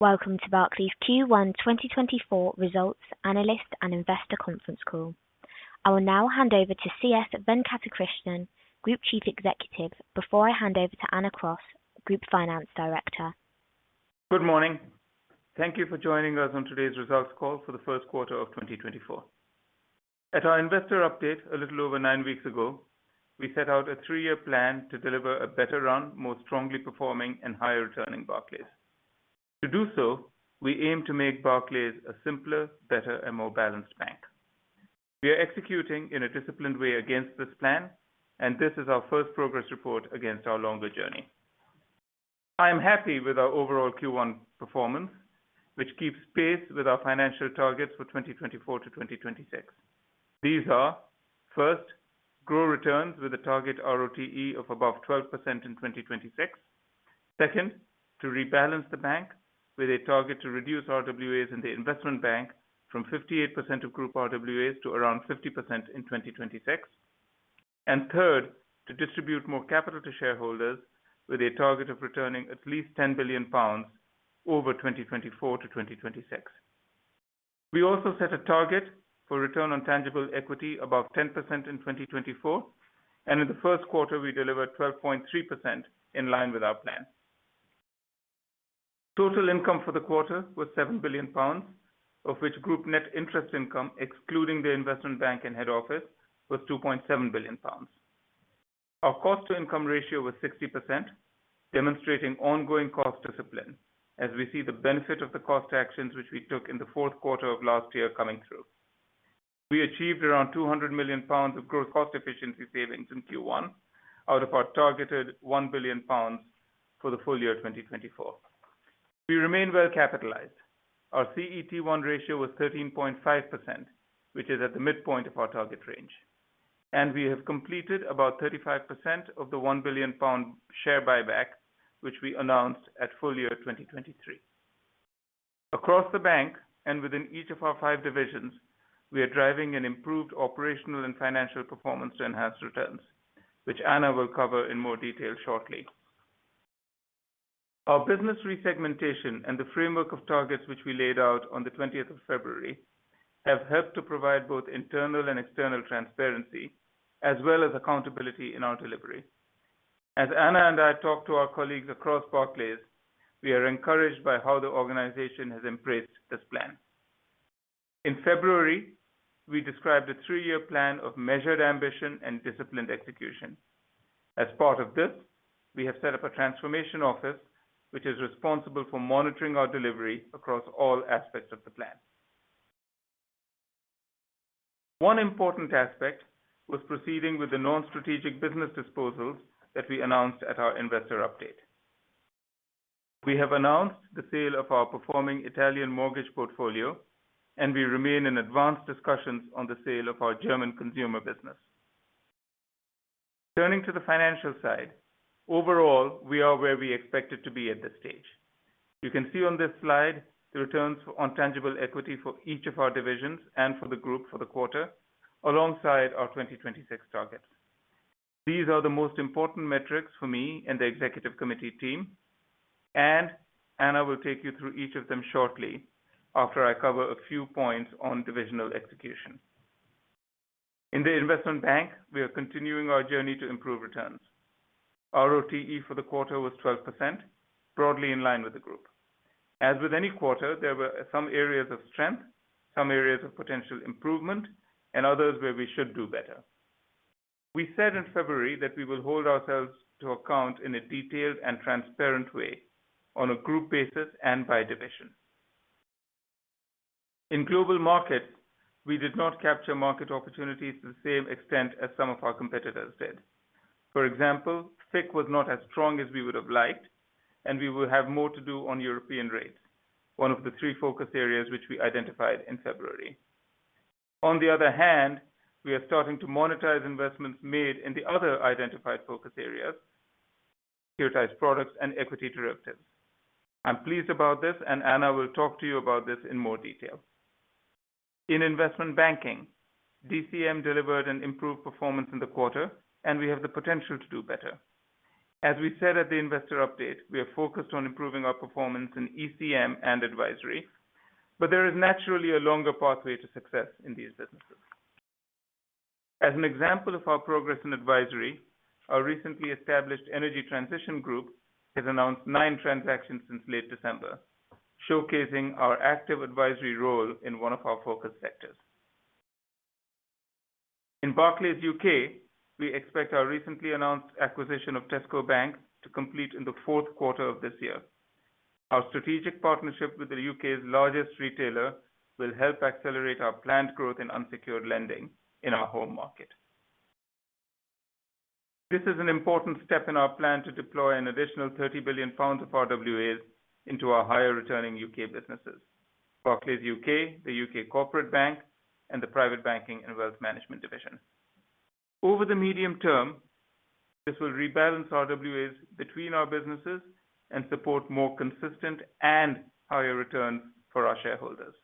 Welcome to Barclays Q1 2024 Results Analyst and Investor Conference Call. I will now hand over to C.S. Venkatakrishnan, Group Chief Executive, before I hand over to Anna Cross, Group Finance Director. Good morning. Thank you for joining us on today's results call for the first quarter of 2024. At our investor update a little over nine weeks ago, we set out a 3-year plan to deliver a better run, more strongly performing and higher returning Barclays. To do so, we aim to make Barclays a simpler, better, and more balanced bank. We are executing in a disciplined way against this plan, and this is our first progress report against our longer journey. I am happy with our overall Q1 performance, which keeps pace with our financial targets for 2024 to 2026. These are, first, grow returns with a target ROTE of above 12% in 2026. Second, to rebalance the bank with a target to reduce RWAs in the investment bank from 58% of Group RWAs to around 50% in 2026. And third, to distribute more capital to shareholders with a target of returning at least 10 billion pounds over 2024-2026. We also set a target for return on tangible equity, above 10% in 2024, and in the first quarter, we delivered 12.3% in line with our plan. Total income for the quarter was 7 billion pounds, of which group net interest income, excluding the investment bank and head office, was 2.7 billion pounds. Our cost-to-income ratio was 60%, demonstrating ongoing cost discipline as we see the benefit of the cost actions, which we took in the fourth quarter of last year, coming through. We achieved around 200 million pounds of gross cost efficiency savings in Q1 out of our targeted 1 billion pounds for the full year 2024. We remain well capitalized. Our CET1 ratio was 13.5%, which is at the midpoint of our target range, and we have completed about 35% of the 1 billion pound share buyback, which we announced at full year 2023. Across the bank and within each of our five divisions, we are driving an improved operational and financial performance to enhance returns, which Anna will cover in more detail shortly. Our business resegmentation and the framework of targets, which we laid out on the twentieth of February, have helped to provide both internal and external transparency as well as accountability in our delivery. As Anna and I talk to our colleagues across Barclays, we are encouraged by how the organization has embraced this plan. In February, we described a three-year plan of measured ambition and disciplined execution. As part of this, we have set up a transformation office, which is responsible for monitoring our delivery across all aspects of the plan. One important aspect was proceeding with the non-strategic business disposals that we announced at our investor update. We have announced the sale of our performing Italian mortgage portfolio, and we remain in advanced discussions on the sale of our German consumer business. Turning to the financial side, overall, we are where we expected to be at this stage. You can see on this slide the returns on tangible equity for each of our divisions and for the group for the quarter alongside our 2026 targets. These are the most important metrics for me and the executive committee team, and Anna will take you through each of them shortly after I cover a few points on divisional execution. In the investment bank, we are continuing our journey to improve returns. ROTE for the quarter was 12%, broadly in line with the group. As with any quarter, there were some areas of strength, some areas of potential improvement, and others where we should do better. We said in February that we will hold ourselves to account in a detailed and transparent way on a group basis and by division. In global markets, we did not capture market opportunities to the same extent as some of our competitors did. For example, FICC was not as strong as we would have liked, and we will have more to do on European rates, one of the three focus areas which we identified in February. On the other hand, we are starting to monetize investments made in the other identified focus areas, securitized products and equity derivatives. I'm pleased about this, and Anna will talk to you about this in more detail. In investment banking, DCM delivered an improved performance in the quarter, and we have the potential to do better. As we said at the investor update, we are focused on improving our performance in ECM and advisory, but there is naturally a longer pathway to success in these businesses. As an example of our progress in advisory, our recently established Energy Transition Group has announced nine transactions since late December, showcasing our active advisory role in one of our focus sectors. In Barclays U.K, we expect our recently announced acquisition of Tesco Bank to complete in the fourth quarter of this year. Our strategic partnership with the U.K's largest retailer will help accelerate our planned growth in unsecured lending in our home market. This is an important step in our plan to deploy an additional 30 billion pounds of RWAs into our higher returning U.K. businesses, Barclays U.K, the U.K. Corporate Bank, and the Private Banking and Wealth Management division. Over the medium term, this will rebalance RWAs between our businesses and support more consistent and higher return for our shareholders.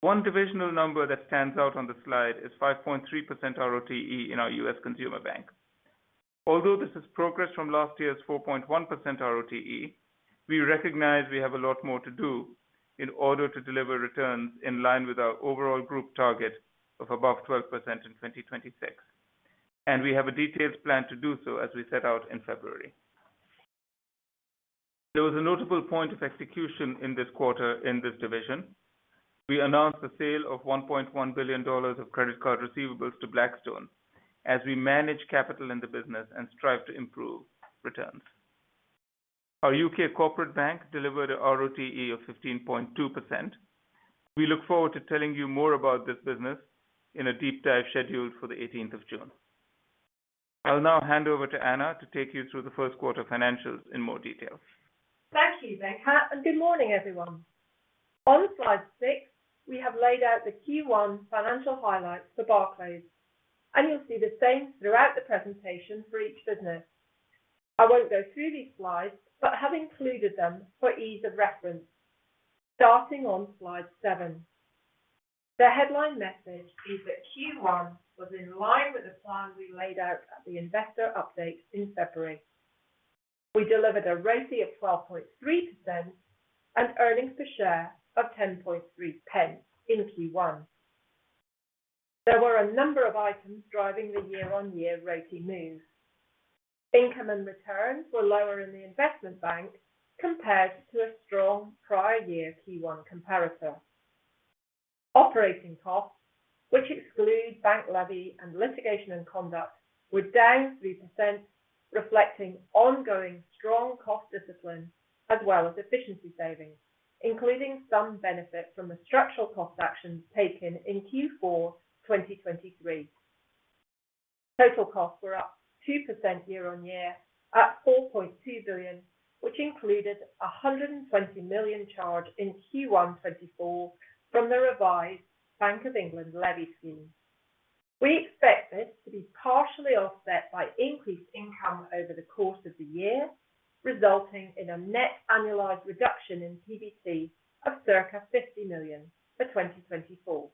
One divisional number that stands out on the slide is 5.3% ROTE in our U.S. Consumer Bank. Although this is progress from last year's 4.1% ROTE, we recognize we have a lot more to do in order to deliver returns in line with our overall group target of above 12% in 2026, and we have a detailed plan to do so as we set out in February. There was a notable point of execution in this quarter in this division. We announced the sale of $1.1 billion of credit card receivables to Blackstone as we manage capital in the business and strive to improve returns. Our U.K. Corporate Bank delivered a ROTE of 15.2%. We look forward to telling you more about this business in a deep dive scheduled for the eighteenth of June. I'll now hand over to Anna to take you through the first quarter financials in more detail. Thank you, Venkat, and good morning, everyone. On Slide 6, we have laid out the Q1 financial highlights for Barclays, and you'll see the same throughout the presentation for each business. I won't go through these slides, but have included them for ease of reference. Starting on Slide 7. The headline message is that Q1 was in line with the plan we laid out at the investor update in February. We delivered a ROTCE of 12.3% and earnings per share of 10.3 pence in Q1. There were a number of items driving the year-on-year ROTCE move. Income and returns were lower in the investment bank compared to a strong prior year Q1 comparator. Operating costs, which exclude bank levy and litigation and conduct, were down 3%, reflecting ongoing strong cost discipline as well as efficiency savings, including some benefit from the structural cost actions taken in Q4 2023. Total costs were up 2% year-on-year at £4.2 billion, which included a £120 million charge in Q1 2024 from the revised Bank of England Levy scheme. We expect this to be partially offset by increased income over the course of the year, resulting in a net annualized reduction in PBT of circa £50 million for 2024.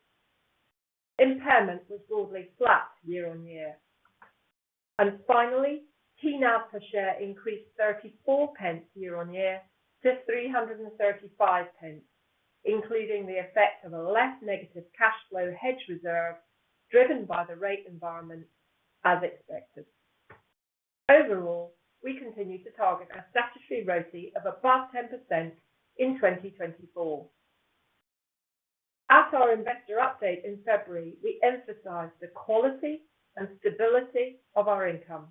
Impairment was broadly flat year-on-year. And finally, TNAV per share increased £0.34 year-on-year to £3.35, including the effect of a less negative cash flow hedge reserve, driven by the rate environment as expected. Overall, we continue to target our statutory ROTCE of above 10% in 2024. At our investor update in February, we emphasized the quality and stability of our income.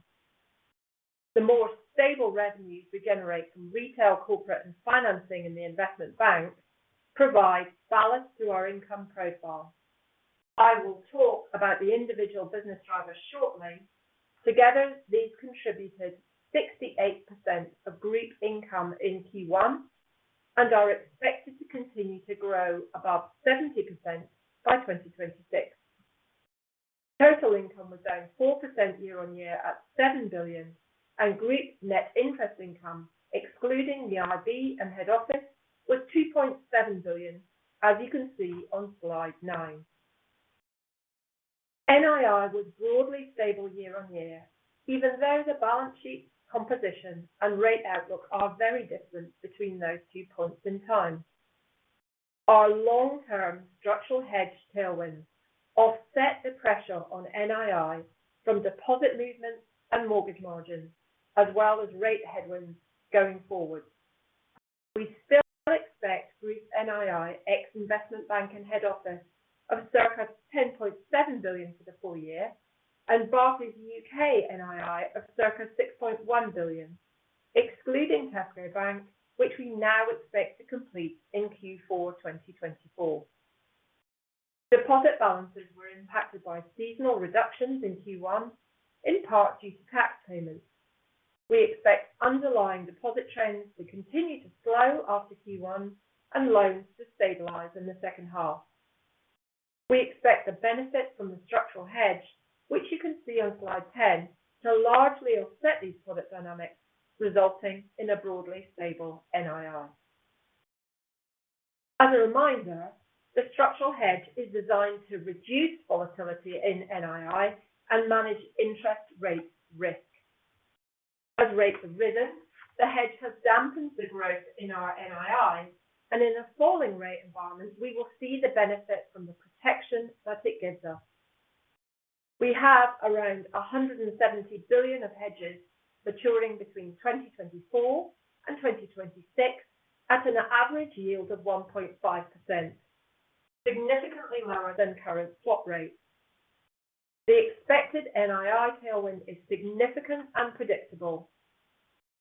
The more stable revenues we generate from retail, corporate, and financing in the investment bank provide balance to our income profile. I will talk about the individual business drivers shortly. Together, these contributed 68% of group income in Q1 and are expected to continue to grow above 70% by 2026. Total income was down 4% year-over-year at £7 billion, and group net interest income, excluding the IB and head office, was £2.7 billion as you can see on Slide 9. NII was broadly stable year-over-year, even though the balance sheet composition and rate outlook are very different between those two points in time. Our long-term structural hedge tailwinds offset the pressure on NII from deposit movements and mortgage margins, as well as rate headwinds going forward. We still expect group NII, ex investment bank and head office, of circa 10.7 billion for the full year and Barclays U.K. NII of circa 6.1 billion, excluding Tesco Bank, which we now expect to complete in Q4 2024. Deposit balances were impacted by seasonal reductions in Q1, in part due to tax payments. We expect underlying deposit trends to continue to slow after Q1 and loans to stabilize in the second half. We expect the benefit from the structural hedge, which you can see on Slide 10, to largely offset these product dynamics, resulting in a broadly stable NII. As a reminder, the structural hedge is designed to reduce volatility in NII and manage interest rate risk. As rates have risen, the hedge has dampened the growth in our NII, and in a falling rate environment, we will see the benefit from the protection that it gives us. We have around 170 billion of hedges maturing between 2024 and 2026, at an average yield of 1.5%, significantly lower than current swap rates. The expected NII tailwind is significant and predictable.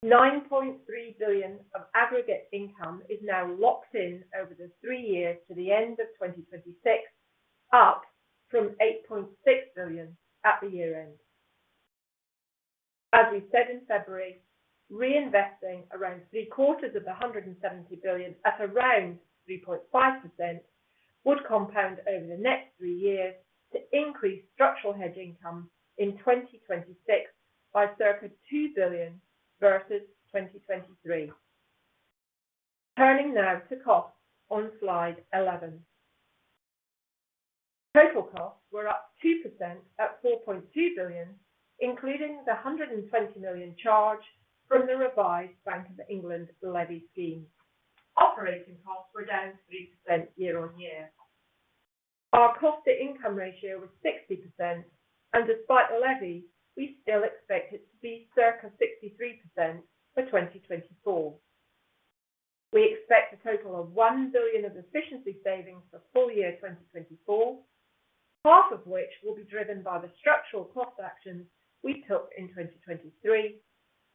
9.3 billion of aggregate income is now locked in over the three years to the end of 2026, up from 8.6 billion at the year-end. As we said in February, reinvesting around three-quarters of the 170 billion at around 3.5% would compound over the next three years to increase structural hedge income in 2026 by circa 2 billion versus 2023. Turning now to costs on Slide 11. Total costs were up 2% at 4.2 billion, including the 120 million charge from the revised Bank of England Levy scheme. Operating costs were down 3% year-on-year. Our cost to income ratio was 60%, and despite the levy, we still expect it to be circa 63% for 2024. We expect a total of 1 billion of efficiency savings for full year 2024, half of which will be driven by the structural cost actions we took in 2023,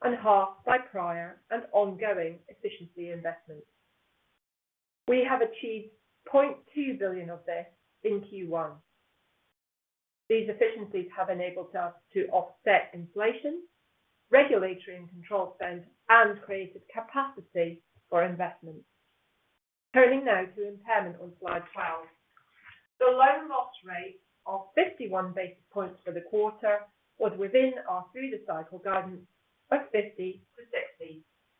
and half by prior and ongoing efficiency investments. We have achieved 0.2 billion of this in Q1. These efficiencies have enabled us to offset inflation, regulatory and control spend, and created capacity for investment. Turning now to impairment on Slide 12. The loan loss rate of 51 basis points for the quarter was within our through the cycle guidance of 50-60,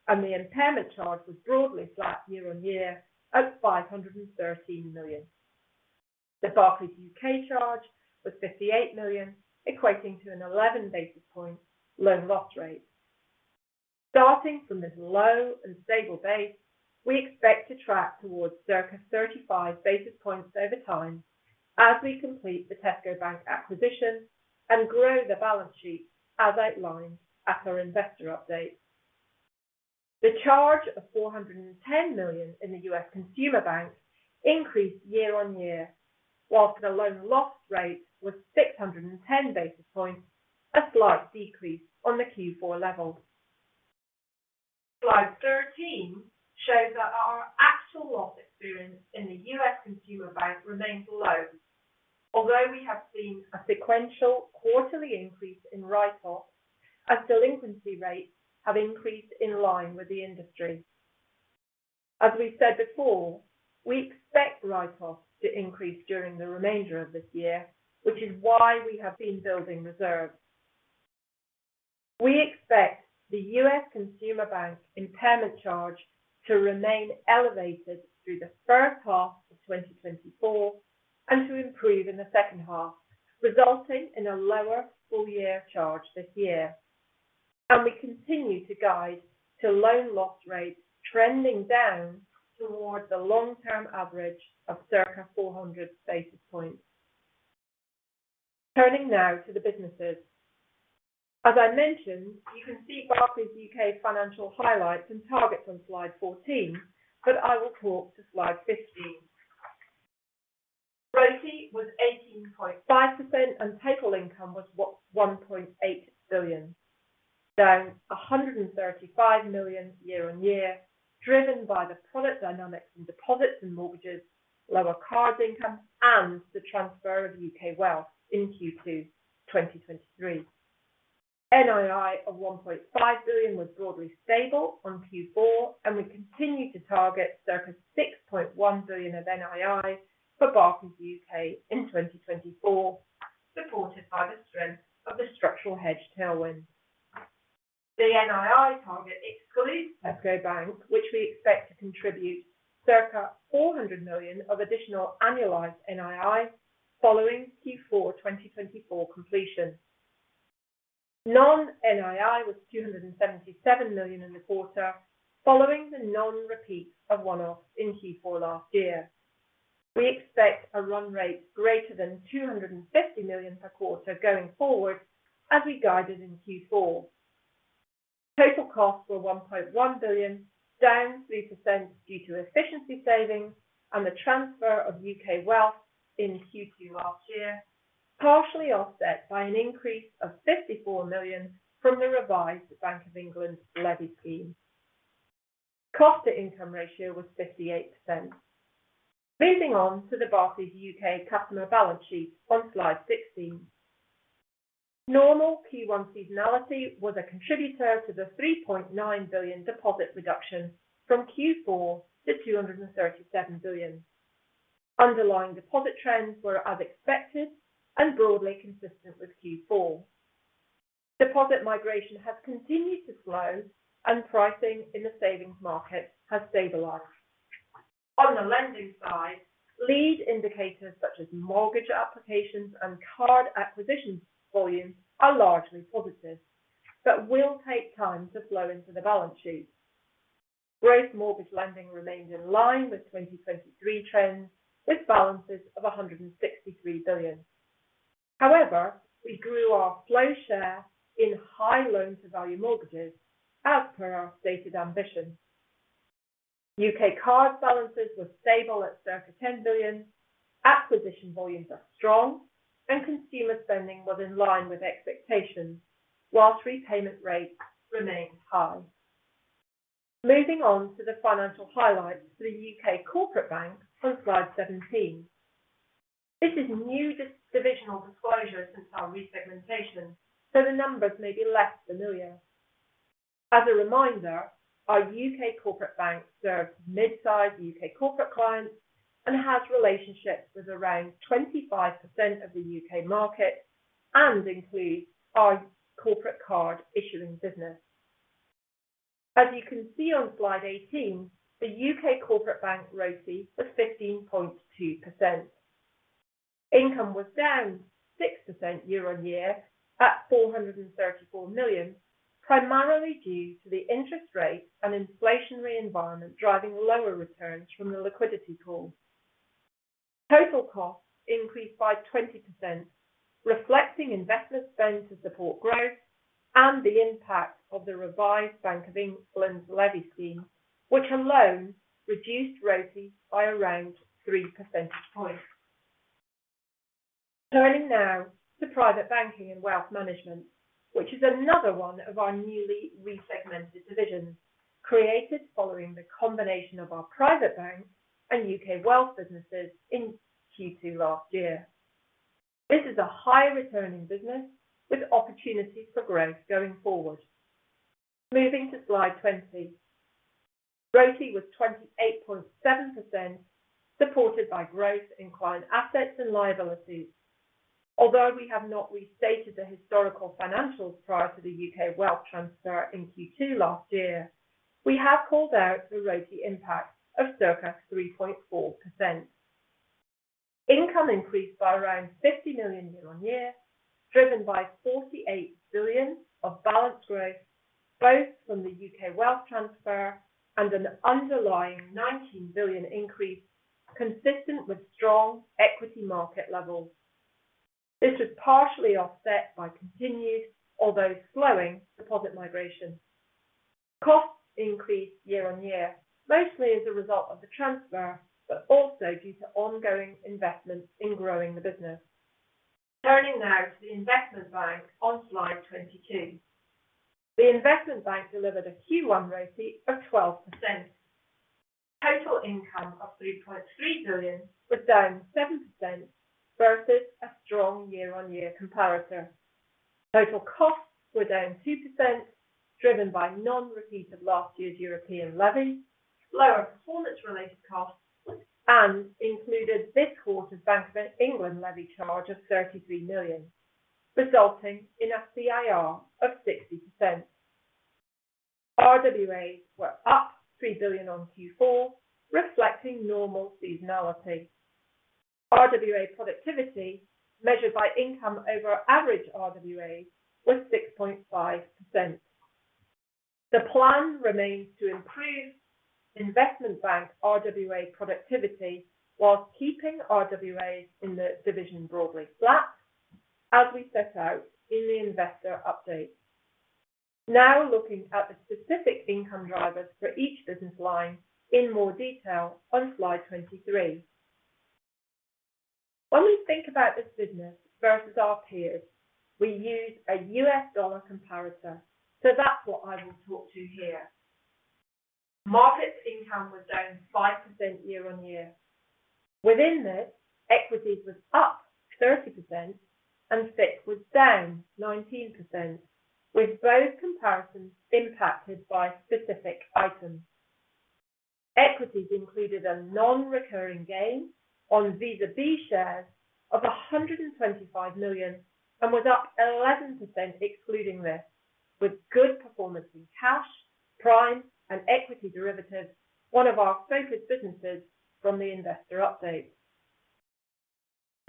and the impairment charge was broadly flat year-on-year at 513 million. The Barclays U.K charge was 58 million, equating to an 11 basis point loan loss rate. Starting from this low and stable base, we expect to track towards circa 35 basis points over time as we complete the Tesco Bank acquisition and grow the balance sheet, as outlined at our investor update. The charge of $410 million in the U.S. Consumer Bank increased year-on-year, while the loan loss rate was 610 basis points, a slight decrease on the Q4 level. Slide 13 shows that our actual loss experience in the U.S. Consumer Bank remains low. Although we have seen a sequential quarterly increase in write-offs, as delinquency rates have increased in line with the industry. As we said before, we expect write-offs to increase during the remainder of this year, which is why we have been building reserves. We expect the U.S. Consumer Bank impairment charge to remain elevated through the first half of 2024 and to improve in the second half, resulting in a lower full year charge this year, and we continue to guide to loan loss rates trending down towards the long-term average of circa 400 basis points. Turning now to the businesses. As I mentioned, you can see Barclays U.K. financial highlights and targets on Slide 14, but I will talk to Slide 15. ROTE was 18.5%, and total income was 1.8 billion, down 135 million year-on-year, driven by the product dynamics in deposits and mortgages, lower cards income, and the transfer of U.K. wealth in Q2 2023. NII of 1.5 billion was broadly stable on Q4, and we continue to target circa 6.1 billion of NII for Barclays U.K. in 2024, supported by the strength of the structural hedge tailwind. The NII target excludes Tesco Bank, which we expect to contribute circa 400 million of additional annualized NII following Q4 2024 completion. Non-NII was 277 million in the quarter, following the non-repeat of one-offs in Q4 last year. We expect a run rate greater than 250 million per quarter going forward, as we guided in Q4. Total costs were 1.1 billion, down 3% due to efficiency savings and the transfer of U.K. wealth in Q2 last year, partially offset by an increase of 54 million from the revised Bank of England Levy scheme. Cost to income ratio was 58%. Moving on to the Barclays U.K. customer balance sheet on Slide 16. Normal Q1 seasonality was a contributor to the 3.9 billion deposit reduction from Q4 to 237 billion. Underlying deposit trends were as expected and broadly consistent with Q4. Deposit migration has continued to slow, and pricing in the savings market has stabilized. On the lending side, lead indicators such as mortgage applications and card acquisition volumes are largely positive but will take time to flow into the balance sheet. Gross mortgage lending remained in line with 2023 trends, with balances of 163 billion. However, we grew our flow share in high loan-to-value mortgages as per our stated ambition. U.K. card balances were stable at circa 10 billion, acquisition volumes are strong, and consumer spending was in line with expectations, while repayment rates remained high. Moving on to the financial highlights for the U.K. Corporate Bank on Slide 17. This is new divisional disclosure since our resegmentation, so the numbers may be less familiar. As a reminder, our U.K. corporate bank serves mid-sized U.K. corporate clients and has relationships with around 25% of the U.K. market, and includes our corporate card issuing business. As you can see on slide 18, the U.K. corporate bank ROTE was 15.2%. Income was down 6% year-on-year, at 434 million, primarily due to the interest rate and inflationary environment, driving lower returns from the liquidity pool. Total costs increased by 20%, reflecting investment spend to support growth and the impact of the revised Bank of England levy scheme, which alone reduced ROTE by around 3 percentage points. Turning now to Private Banking and Wealth Management, which is another one of our newly resegmented divisions, created following the combination of our private bank and U.K. wealth businesses in Q2 last year. This is a high-returning business with opportunities for growth going forward. Moving to slide 20. ROTE was 28.7%, supported by growth in client assets and liabilities. Although we have not restated the historical financials prior to the U.K. wealth transfer in Q2 last year, we have called out the ROTE impact of circa 3.4%. Income increased by around £50 million year-over-year, driven by £48 billion of balance growth, both from the U.K. wealth transfer and an underlying £19 billion increase, consistent with strong equity market levels. This was partially offset by continued, although slowing, deposit migration. Costs increased year-over-year, mostly as a result of the transfer, but also due to ongoing investments in growing the business. Turning now to the investment bank on slide 22. The investment bank delivered a Q1 ROTE of 12%. Total income of £3.3 billion was down 7%, versus a strong year-over-year comparator. Total costs were down 2%, driven by non-repeat of last year's European levy, lower performance-related costs, and included this quarter's Bank of England levy charge of 33 million, resulting in a CIR of 60%. RWAs were up 3 billion on Q4, reflecting normal seasonality. RWA productivity, measured by income over average RWAs, was 6.5%. The plan remains to improve investment bank RWA productivity, while keeping RWAs in the division broadly flat, as we set out in the investor update. Now, looking at the specific income drivers for each business line in more detail on slide 23. When we think about this business versus our peers, we use a U.S. dollar comparator, so that's what I will talk to here. Markets income was down 5% year-on-year. Within this, equities was up 30% and FICC was down 19%, with both comparisons impacted by specific items. Equities included a non-recurring gain on Visa B shares of $125 million, and was up 11% excluding this, with good performance in cash, prime, and equity derivatives, one of our focused businesses from the investor update.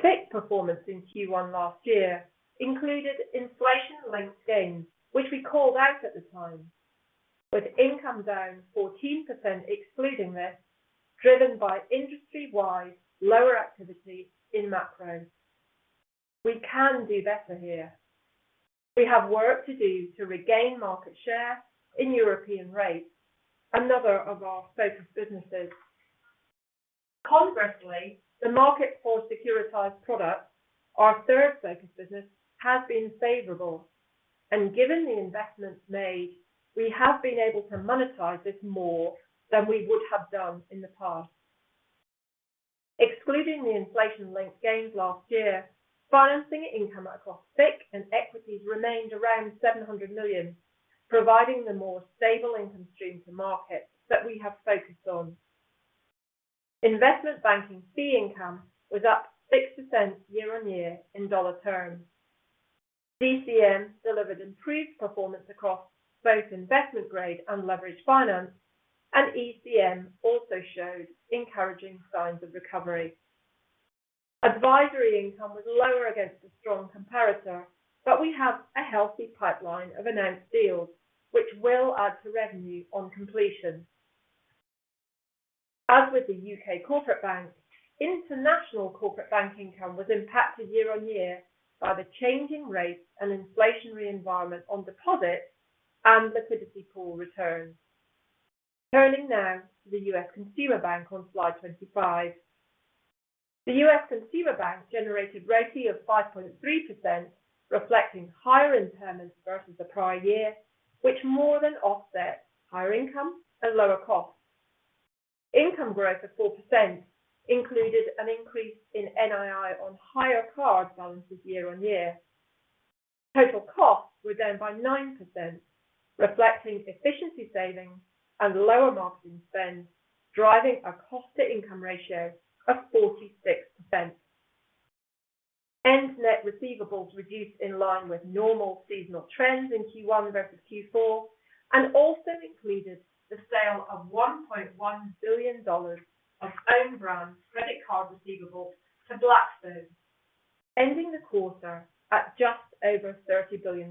FICC performance in Q1 last year included inflation-linked gains, which we called out at the time, with income down 14% excluding this, driven by industry-wide lower activity in macro. We can do better here. We have work to do to regain market share in European rates, another of our focused businesses. Concurrently, the market for securitized products, our third focused business, has been favorable, and given the investments made, we have been able to monetize this more than we would have done in the past. Excluding the inflation-linked gains last year, financing income across FICC and equities remained around $700 million, providing the more stable income stream to markets that we have focused on. Investment banking fee income was up 6% year-over-year in dollar terms. ECM delivered improved performance across both investment grade and leveraged finance, and ECM also showed encouraging signs of recovery. Advisory income was lower against a strong comparator, but we have a healthy pipeline of announced deals, which will add to revenue on completion. As with the U.K. Corporate Bank, International Corporate Bank income was impacted year-over-year by the changing rates and inflationary environment on deposits and liquidity pool returns. Turning now to the U.S. Consumer Bank on slide 25. The U.S. Consumer Bank generated ROTE of 5.3%, reflecting higher impairments versus the prior year, which more than offset higher income and lower costs. Income growth of 4% included an increase in NII on higher card balances year-on-year. Total costs were down by 9%, reflecting efficiency savings and lower marketing spend, driving a cost-to-income ratio of 46%. And net receivables reduced in line with normal seasonal trends in Q1 versus Q4, and also included the sale of $1.1 billion of own brand credit card receivables to Blackstone, ending the quarter at just over $30 billion.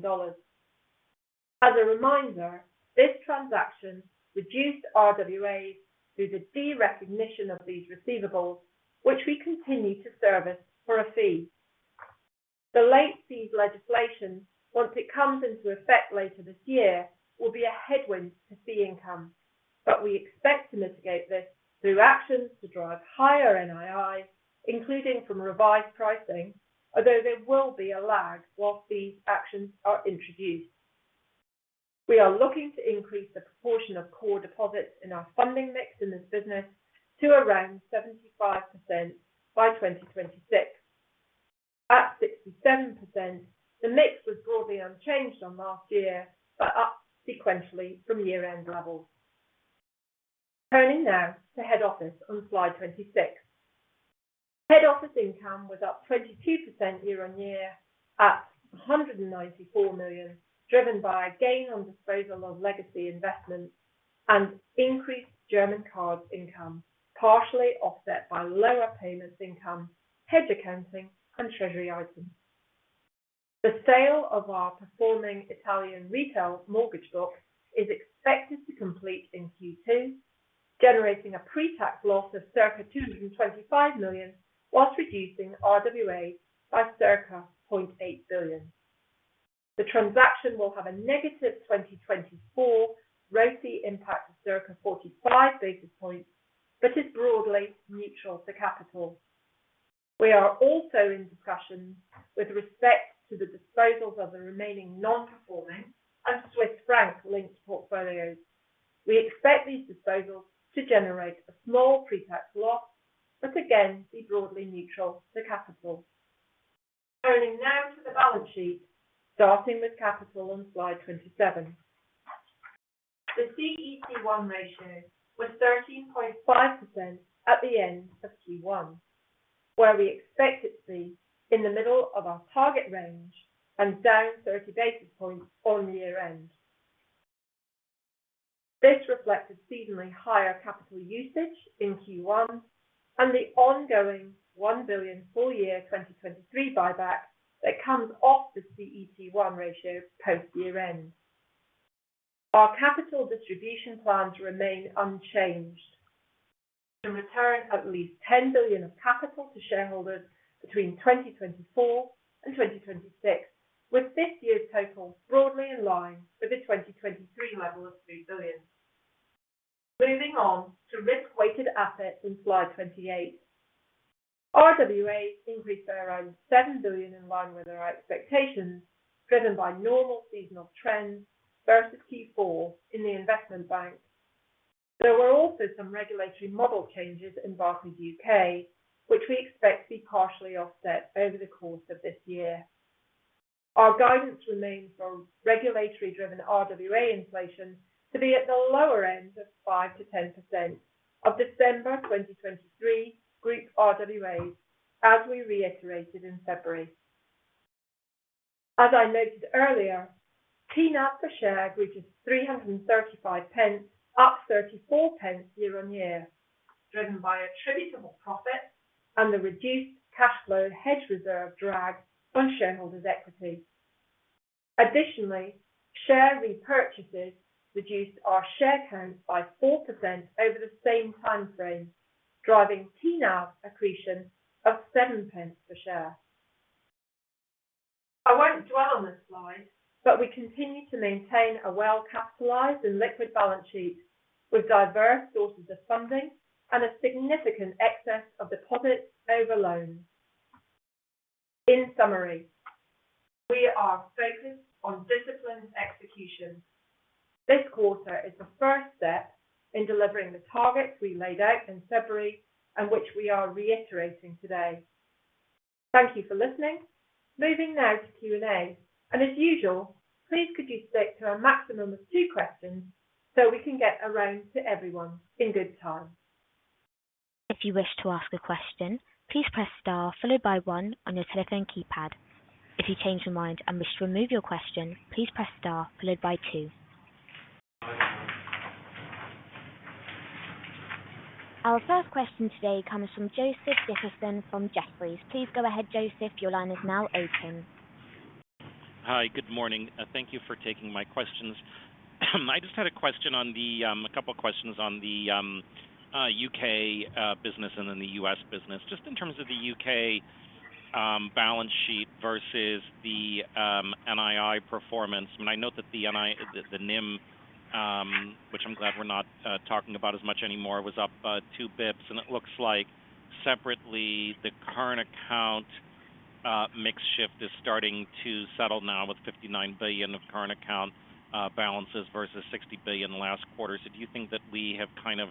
As a reminder, this transaction reduced RWAs through the derecognition of these receivables, which we continue to service for a fee. The late fees legislation, once it comes into effect later this year, will be a headwind to fee income, but we expect to mitigate this through actions to drive higher NII, including from revised pricing, although there will be a lag while these actions are introduced. We are looking to increase the proportion of core deposits in our funding mix in this business to around 75% by 2026. At 67%, the mix was broadly unchanged from last year, but up sequentially from year-end levels. Turning now to head office on slide 26. Head office income was up 22% year-over-year, at £194 million, driven by a gain on disposal of legacy investments and increased German cards income, partially offset by lower payments income, hedge accounting, and treasury items. The sale of our performing Italian retail mortgage book is expected to complete in Q2, generating a pre-tax loss of circa £225 million, while reducing RWAs by circa 0.8 billion. The transaction will have a negative 2024 ROAE impact of circa 45 basis points, but is broadly neutral to capital. We are also in discussions with respect to the disposals of the remaining non-performing and Swiss franc-linked portfolios. We expect these disposals to generate a small pre-tax loss, but again, be broadly neutral to capital. Turning now to the balance sheet, starting with capital on slide 27. The CET1 ratio was 13.5% at the end of Q1, where we expect it to be in the middle of our target range and down 30 basis points on year-end. This reflects a seasonally higher capital usage in Q1 and the ongoing 1 billion full year 2023 buyback that comes off the CET1 ratio post year-end. Our capital distribution plans remain unchanged, to return at least 10 billion of capital to shareholders between 2024 and 2026, with this year's total broadly in line with the 2023 level of 3 billion. Moving on to risk-weighted assets in slide 28. RWAs increased by around 7 billion, in line with our expectations, driven by normal seasonal trends versus Q4 in the investment bank. There were also some regulatory model changes in Barclays U.K, which we expect to be partially offset over the course of this year. Our guidance remains from regulatory-driven RWA inflation to be at the lower end of 5%-10% of December 2023 group RWAs, as we reiterated in February. As I noted earlier, TNAV per share reaches 335 pence, up 34 pence year-on-year, driven by attributable profit and the reduced cash flow hedge reserve drag on shareholders' equity. Additionally, share repurchases reduced our share count by 4% over the same time frame, driving TNAV accretion of 7 pence per share. I won't dwell on this slide, but we continue to maintain a well-capitalized and liquid balance sheet with diverse sources of funding and a significant excess of deposits over loans. In summary, we are focused on disciplined execution. This quarter is the first step in delivering the targets we laid out in February and which we are reiterating today. Thank you for listening. Moving now to Q&A, and as usual, please could you stick to a maximum of two questions, so we can get around to everyone in good time. If you wish to ask a question, please press star followed by one on your telephone keypad. If you change your mind and wish to remove your question, please press star followed by two. Our first question today comes from Joseph Dickerson from Jefferies. Please go ahead, Joseph. Your line is now open. Hi, good morning. Thank you for taking my questions. I just had a question on a couple of questions on the U.K. business and then the U.S. business. Just in terms of the U.K. balance sheet versus the NII performance. I note that the NIM, which I'm glad we're not talking about as much anymore, was up two basis points, and it looks like separately, the current account mix shift is starting to settle now with 59 billion of current account balances versus 60 billion last quarter. So do you think that we have kind of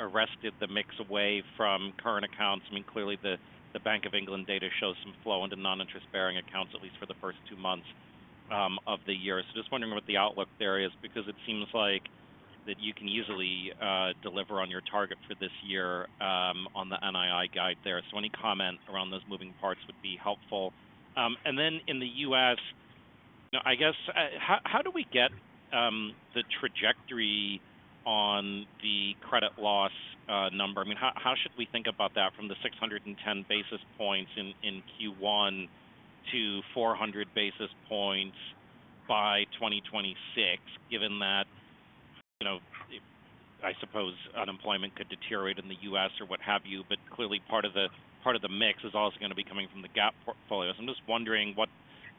arrested the mix away from current accounts? I mean, clearly, the Bank of England data shows some flow into non-interest bearing accounts, at least for the first two months of the year. So just wondering what the outlook there is, because it seems like that you can easily deliver on your target for this year on the NII guide there. So any comment around those moving parts would be helpful. And then in the U.S, I guess, how do we get the trajectory on the credit loss number? I mean, how should we think about that from the 610 basis points in Q1 to 400 basis points by 2026, given that, you know, I suppose unemployment could deteriorate in the U.S. or what have you, but clearly part of the part of the mix is also going to be coming from the Gap portfolios. I'm just wondering what,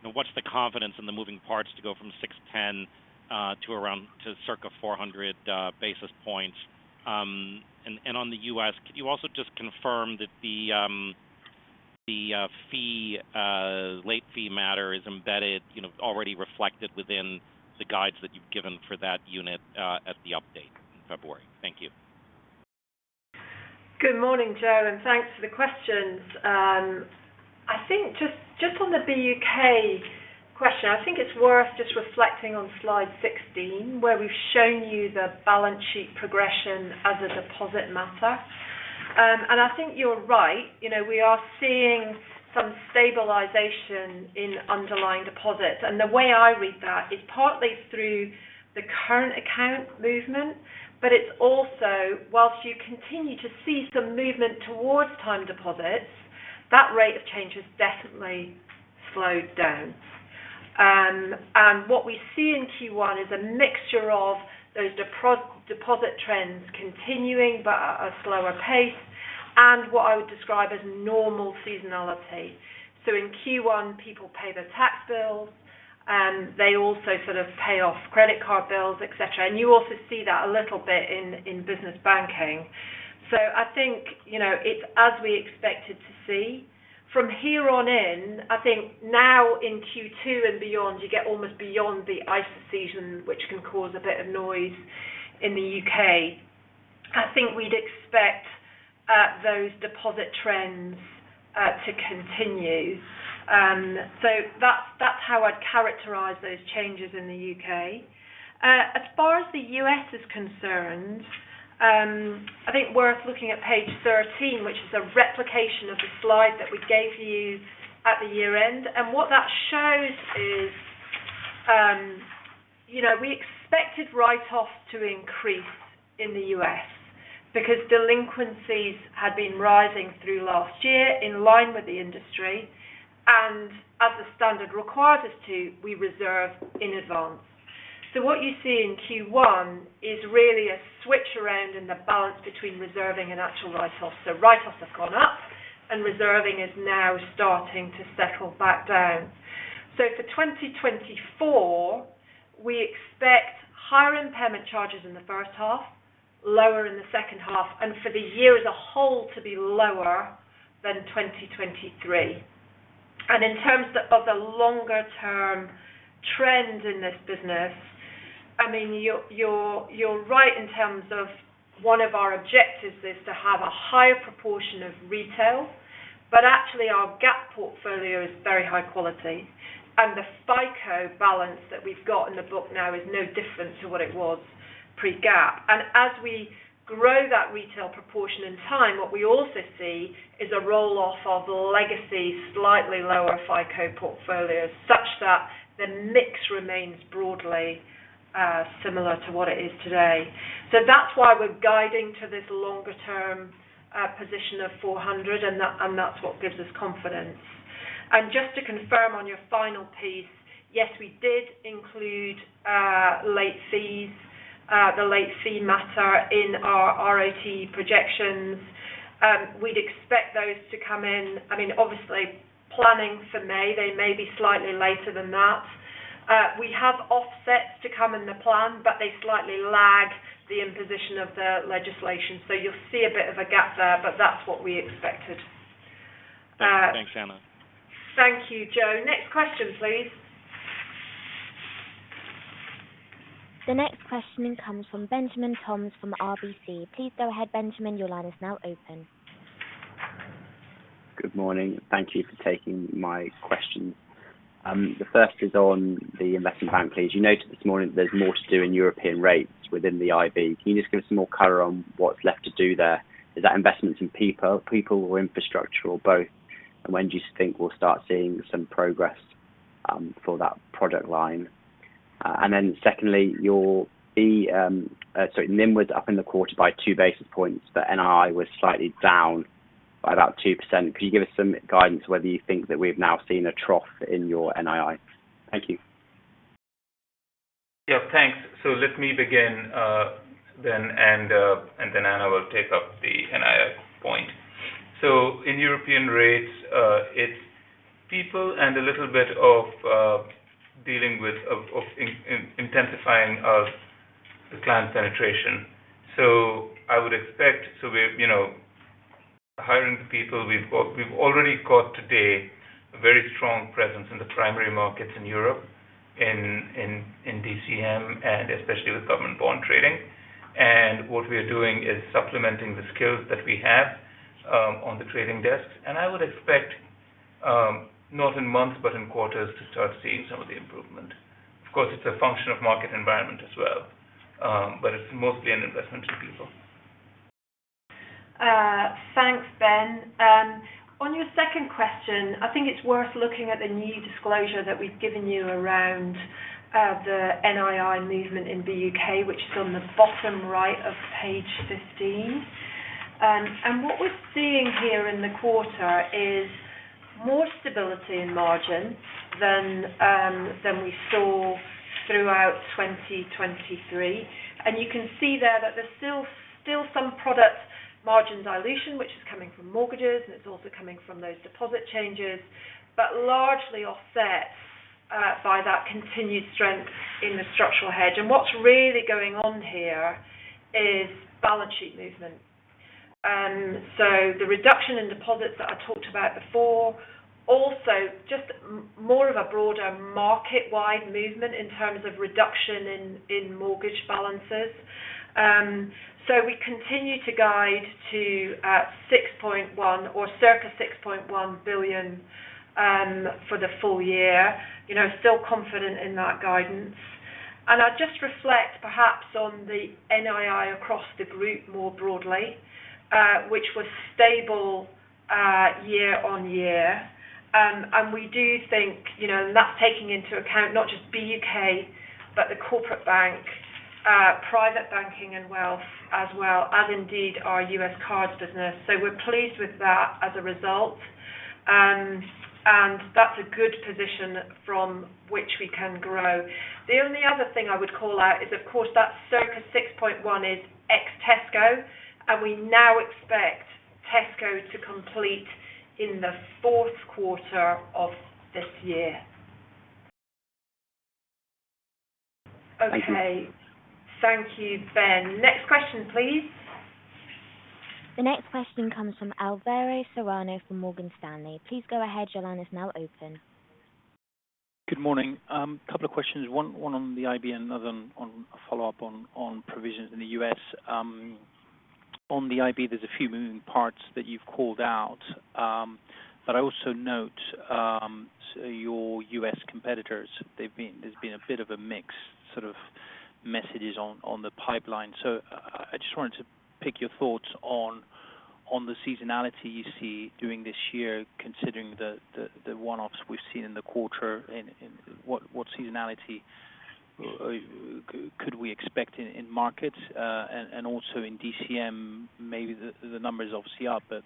you know, what's the confidence in the moving parts to go from 610 to around to circa 400 basis points? And on the U.S., could you also just confirm that the late fee matter is embedded, you know, already reflected within the guides that you've given for that unit at the update in February? Thank you. Good morning, Joe, and thanks for the questions. I think just on the BUK question, I think it's worth just reflecting on slide 16, where we've shown you the balance sheet progression as a deposit matter. And I think you're right. You know, we are seeing some stabilization in underlying deposits, and the way I read that is partly through the current account movement, but it's also, while you continue to see some movement towards time deposits, that rate of change has definitely slowed down. And what we see in Q1 is a mixture of those deposit trends continuing, but at a slower pace, and what I would describe as normal seasonality. So in Q1, people pay their tax bills, they also sort of pay off credit card bills, et cetera. And you also see that a little bit in business banking. So I think, you know, it's as we expected to see. From here on in, I think now in Q2 and beyond, you get almost beyond the ISA season, which can cause a bit of noise in the U.K. I think we'd expect those deposit trends to continue. So that's, that's how I'd characterize those changes in the U.K. As far as the U.S. is concerned, I think worth looking at page 13, which is a replication of the slide that we gave you at the year-end. And what that shows is, you know, we expected write-offs to increase in the U.S. because delinquencies had been rising through last year in line with the industry, and as the standard requires us to, we reserve in advance. So what you see in Q1 is really a switch around in the balance between reserving and actual write-offs. So write-offs have gone up, and reserving is now starting to settle back down. So for 2024, we expect higher impairment charges in the first half, lower in the second half, and for the year as a whole to be lower than 2023. And in terms of the longer-term trend in this business, I mean, you're right in terms of one of our objectives is to have a higher proportion of retail, but actually, our Gap portfolio is very high quality, and the FICO balance that we've got in the book now is no different to what it was pre-Gap. As we grow that retail proportion in time, what we also see is a roll-off of legacy, slightly lower FICO portfolios, such that the mix remains broadly similar to what it is today. So that's why we're guiding to this longer-term position of 400, and that's what gives us confidence. And just to confirm on your final piece, yes, we did include late fees, the late fee matter in our ROTE projections. We'd expect those to come in—I mean, obviously, planning for May, they may be slightly later than that. We have offsets to come in the plan, but they slightly lag the imposition of the legislation, so you'll see a bit of a gap there, but that's what we expected. Thanks, Anna. Thank you, Joe. Next question, please. The next question comes from Benjamin Toms from RBC. Please go ahead, Benjamin, your line is now open. Good morning. Thank you for taking my questions. The first is on the investment bank. Please, you noted this morning that there's more to do in European rates within the IB. Can you just give us some more color on what's left to do there? Is that investments in people or infrastructure or both? And when do you think we'll start seeing some progress, for that product line? And then secondly, your fee, sorry, NIM was up in the quarter by two basis points, but NII was slightly down by about 2%. Can you give us some guidance whether you think that we've now seen a trough in your NII? Thank you. Yeah, thanks. So let me begin, and then Anna will take up the NII point. So in European rates, it's people and a little bit of dealing with intensifying the client penetration. So I would expect, we've, you know, hiring the people. We've already got today a very strong presence in the primary markets in Europe, in DCM, and especially with government bond trading. And what we are doing is supplementing the skills that we have on the trading desks. And I would expect not in months, but in quarters, to start seeing some of the improvement. Of course, it's a function of market environment as well, but it's mostly an investment in people. Thanks, Ben. On your second question, I think it's worth looking at the new disclosure that we've given you around the NII movement in the U.K, which is on the bottom right of page 15. And what we're seeing here in the quarter is more stability in margins than than we saw throughout 2023. And you can see there that there's still some product margin dilution, which is coming from mortgages, and it's also coming from those deposit changes, but largely offset by that continued strength in the structural hedge. And what's really going on here is balance sheet movement. So the reduction in deposits that I talked about before, also just more of a broader market-wide movement in terms of reduction in mortgage balances. So we continue to guide to 6.1 billion or circa 6.1 billion for the full year. You know, still confident in that guidance. I'd just reflect, perhaps, on the NII across the group more broadly, which was stable year-on-year. We do think, you know, and that's taking into account not just BUK, but the corporate bank, private banking and wealth as well, and indeed, our U.S. Cards business. So we're pleased with that as a result. That's a good position from which we can grow. The only other thing I would call out is, of course, that circa 6.1 billion is ex Tesco, and we now expect Tesco to complete in the fourth quarter of this year. Thank you. Okay. Thank you, Ben. Next question, please. The next question comes from Alvaro Serrano from Morgan Stanley. Please go ahead. Your line is now open. Good morning. A couple of questions. One on the IB and another one on a follow-up on provisions in the U.S. On the IB, there's a few moving parts that you've called out. But I also note, so your U.S. competitors, they've been - there's been a bit of a mix, sort of messages on the pipeline. So I just wanted to pick your thoughts on the seasonality you see during this year, considering the one-offs we've seen in the quarter, and what seasonality could we expect in markets, and also in DCM, maybe the numbers are obviously up, but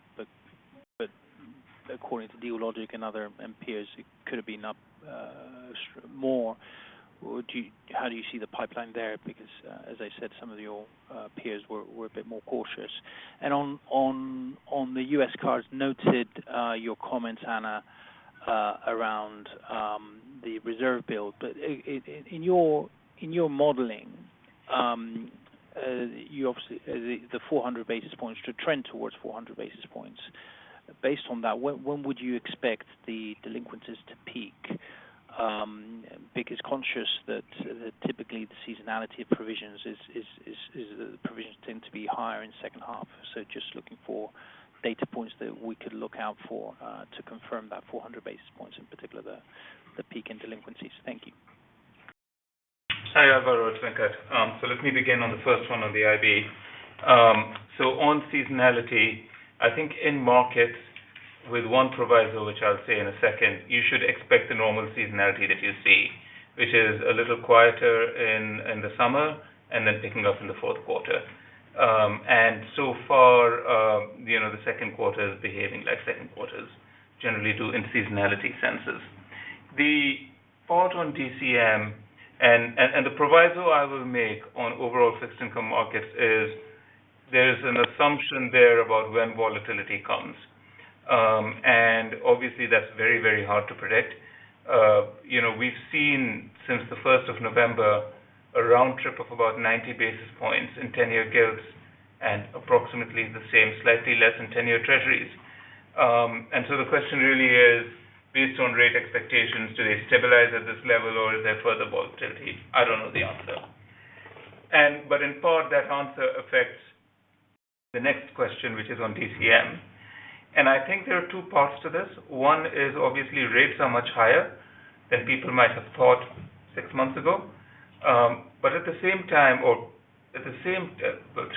according to Dealogic and other and peers, it could have been up more. Do you - how do you see the pipeline there? Because, as I said, some of your peers were a bit more cautious. And on the U.S. Cards, noted your comment, Anna, around the reserve build. But in your modeling, you obviously the 400 basis points to trend towards 400 basis points. Based on that, when would you expect the delinquencies to peak? Because conscious that typically the seasonality of provisions is provisions tend to be higher in second half. So just looking for data points that we could look out for to confirm that 400 basis points, in particular, the peak in delinquencies. Thank you. Hi, Alvaro, it's Venkat. So let me begin on the first one on the IB. So on seasonality, I think in markets with one proviso, which I'll say in a second, you should expect the normal seasonality that you see, which is a little quieter in the summer and then picking up in the fourth quarter. And so far, you know, the second quarter is behaving like second quarters generally do in seasonality senses. The part on DCM and the proviso I will make on overall fixed income markets is there is an assumption there about when volatility comes. And obviously, that's very, very hard to predict. You know, we've seen since the first of November, a round trip of about 90 basis points in 10-year gilts and approximately the same, slightly less than 10-year treasuries. And so the question really is, based on rate expectations, do they stabilize at this level or is there further volatility? I don't know the answer. But in part, that answer affects the next question, which is on DCM. And I think there are two parts to this. One is obviously, rates are much higher than people might have thought six months ago. But at the same time,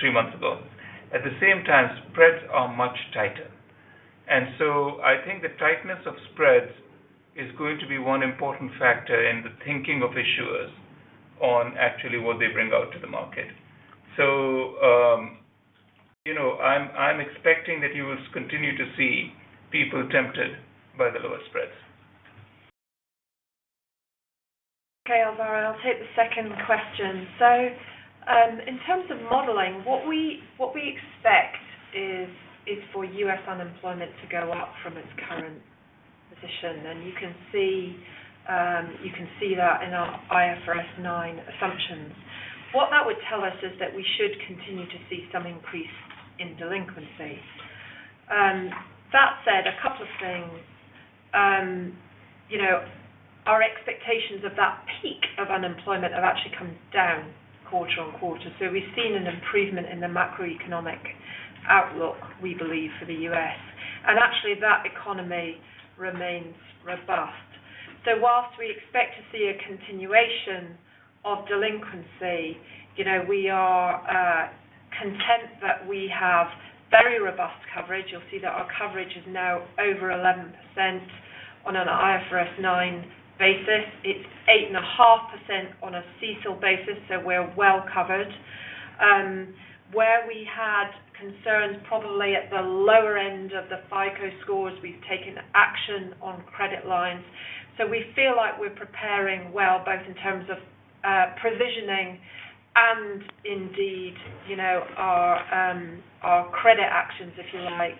three months ago. At the same time, spreads are much tighter. And so I think the tightness of spreads is going to be one important factor in the thinking of issuers on actually what they bring out to the market. So, you know, I'm expecting that you will continue to see people tempted by the lower spreads. Okay, Alvaro, I'll take the second question. So, in terms of modeling, what we expect is for U.S. unemployment to go up from its current position. And you can see that in our IFRS 9 assumptions. What that would tell us is that we should continue to see some increase in delinquency. That said, a couple of things. You know, expectations of that peak of unemployment have actually come down quarter-on-quarter. So we've seen an improvement in the macroeconomic outlook, we believe, for the U.S. And actually, that economy remains robust. So while we expect to see a continuation of delinquency, you know, we are content that we have very robust coverage. You'll see that our coverage is now over 11% on an IFRS 9 basis. It's 8.5% on a CECL basis, so we're well covered. Where we had concerns, probably at the lower end of the FICO scores, we've taken action on credit lines. So we feel like we're preparing well, both in terms of provisioning and indeed, you know, our credit actions, if you like.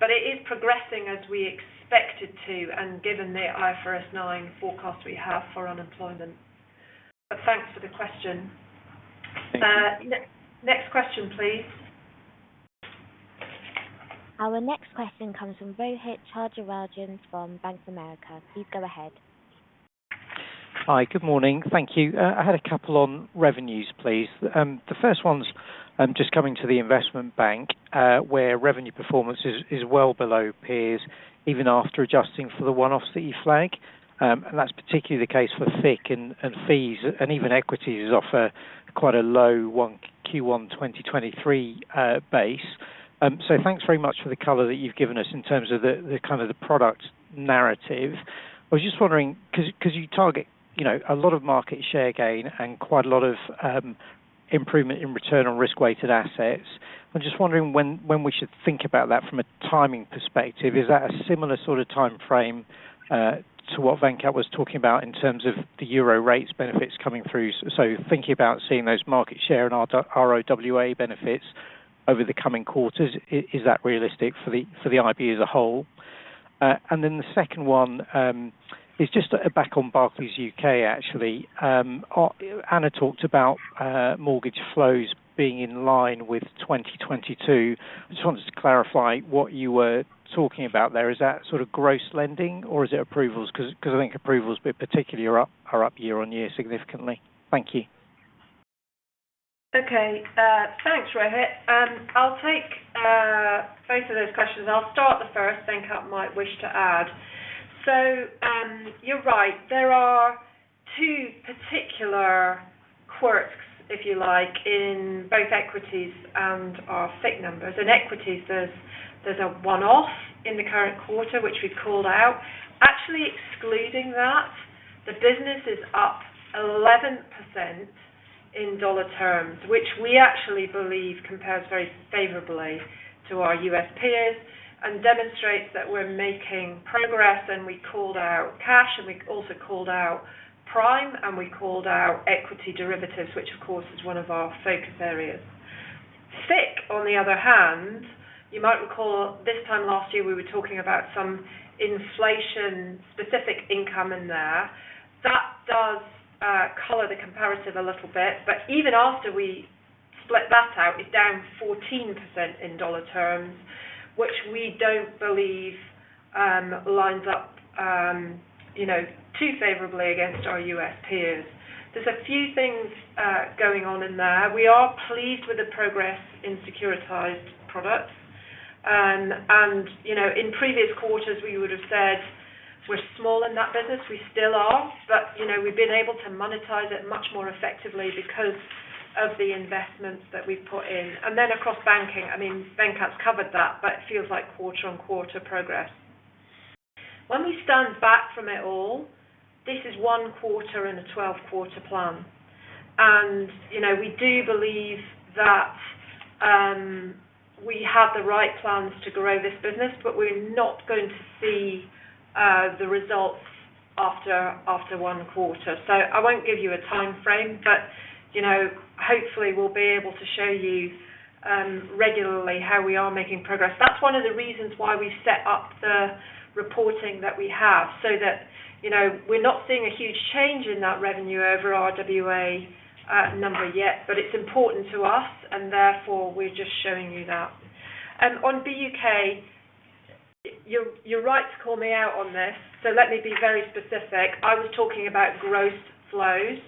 But it is progressing as we expect it to, and given the IFRS 9 forecast we have for unemployment. But thanks for the question. Next question, please. Our next question comes from Rohit Kajaria from Bank of America. Please go ahead. Hi, good morning. Thank you. I had a couple on revenues, please. The first one's just coming to the investment bank, where revenue performance is well below peers, even after adjusting for the one-offs that you flag. And that's particularly the case for FICC and fees, and even equities is off quite a low one, Q1 in 2023 base. So thanks very much for the color that you've given us in terms of the kind of the product narrative. I was just wondering, 'cause you target, you know, a lot of market share gain and quite a lot of improvement in return on risk-weighted assets. I'm just wondering when we should think about that from a timing perspective. Is that a similar sort of timeframe to what Venkat was talking about in terms of the euro rates benefits coming through? So thinking about seeing those market share and RWA benefits over the coming quarters, is that realistic for the IB as a whole? And then the second one is just back on Barclays U.K, actually. Anna talked about mortgage flows being in line with 2022. I just wanted to clarify what you were talking about there. Is that sort of gross lending, or is it approvals? 'Cause I think approvals, but particularly are up year-on-year, significantly. Thank you. Okay, thanks, Rohit. I'll take both of those questions. I'll start the first, Venkat might wish to add. So, you're right. There are two particular quirks, if you like, in both equities and our FICC numbers. In equities, there's a one-off in the current quarter, which we've called out. Actually, excluding that, the business is up 11% in dollar terms, which we actually believe compares very favorably to our U.S. peers and demonstrates that we're making progress. We called out cash, and we also called out prime, and we called out equity derivatives, which of course, is one of our focus areas. FICC, on the other hand, you might recall this time last year, we were talking about some inflation-specific income in there. That does color the comparative a little bit, but even after we split that out, it's down 14% in dollar terms, which we don't believe lines up, you know, too favorably against our U.S. peers. There's a few things going on in there. We are pleased with the progress in securitized products. And, you know, in previous quarters, we would have said we're small in that business. We still are, but, you know, we've been able to monetize it much more effectively because of the investments that we've put in. And then across banking, I mean, Venkat's covered that, but it feels like quarter-on-quarter progress. When we stand back from it all, this is one quarter and a 12-quarter plan. You know, we do believe that we have the right plans to grow this business, but we're not going to see the results after one quarter. So I won't give you a timeframe, but you know, hopefully we'll be able to show you regularly how we are making progress. That's one of the reasons why we set up the reporting that we have, so that you know, we're not seeing a huge change in that revenue over RWA number yet, but it's important to us, and therefore, we're just showing you that. On BUK, you're right to call me out on this, so let me be very specific. I was talking about gross flows.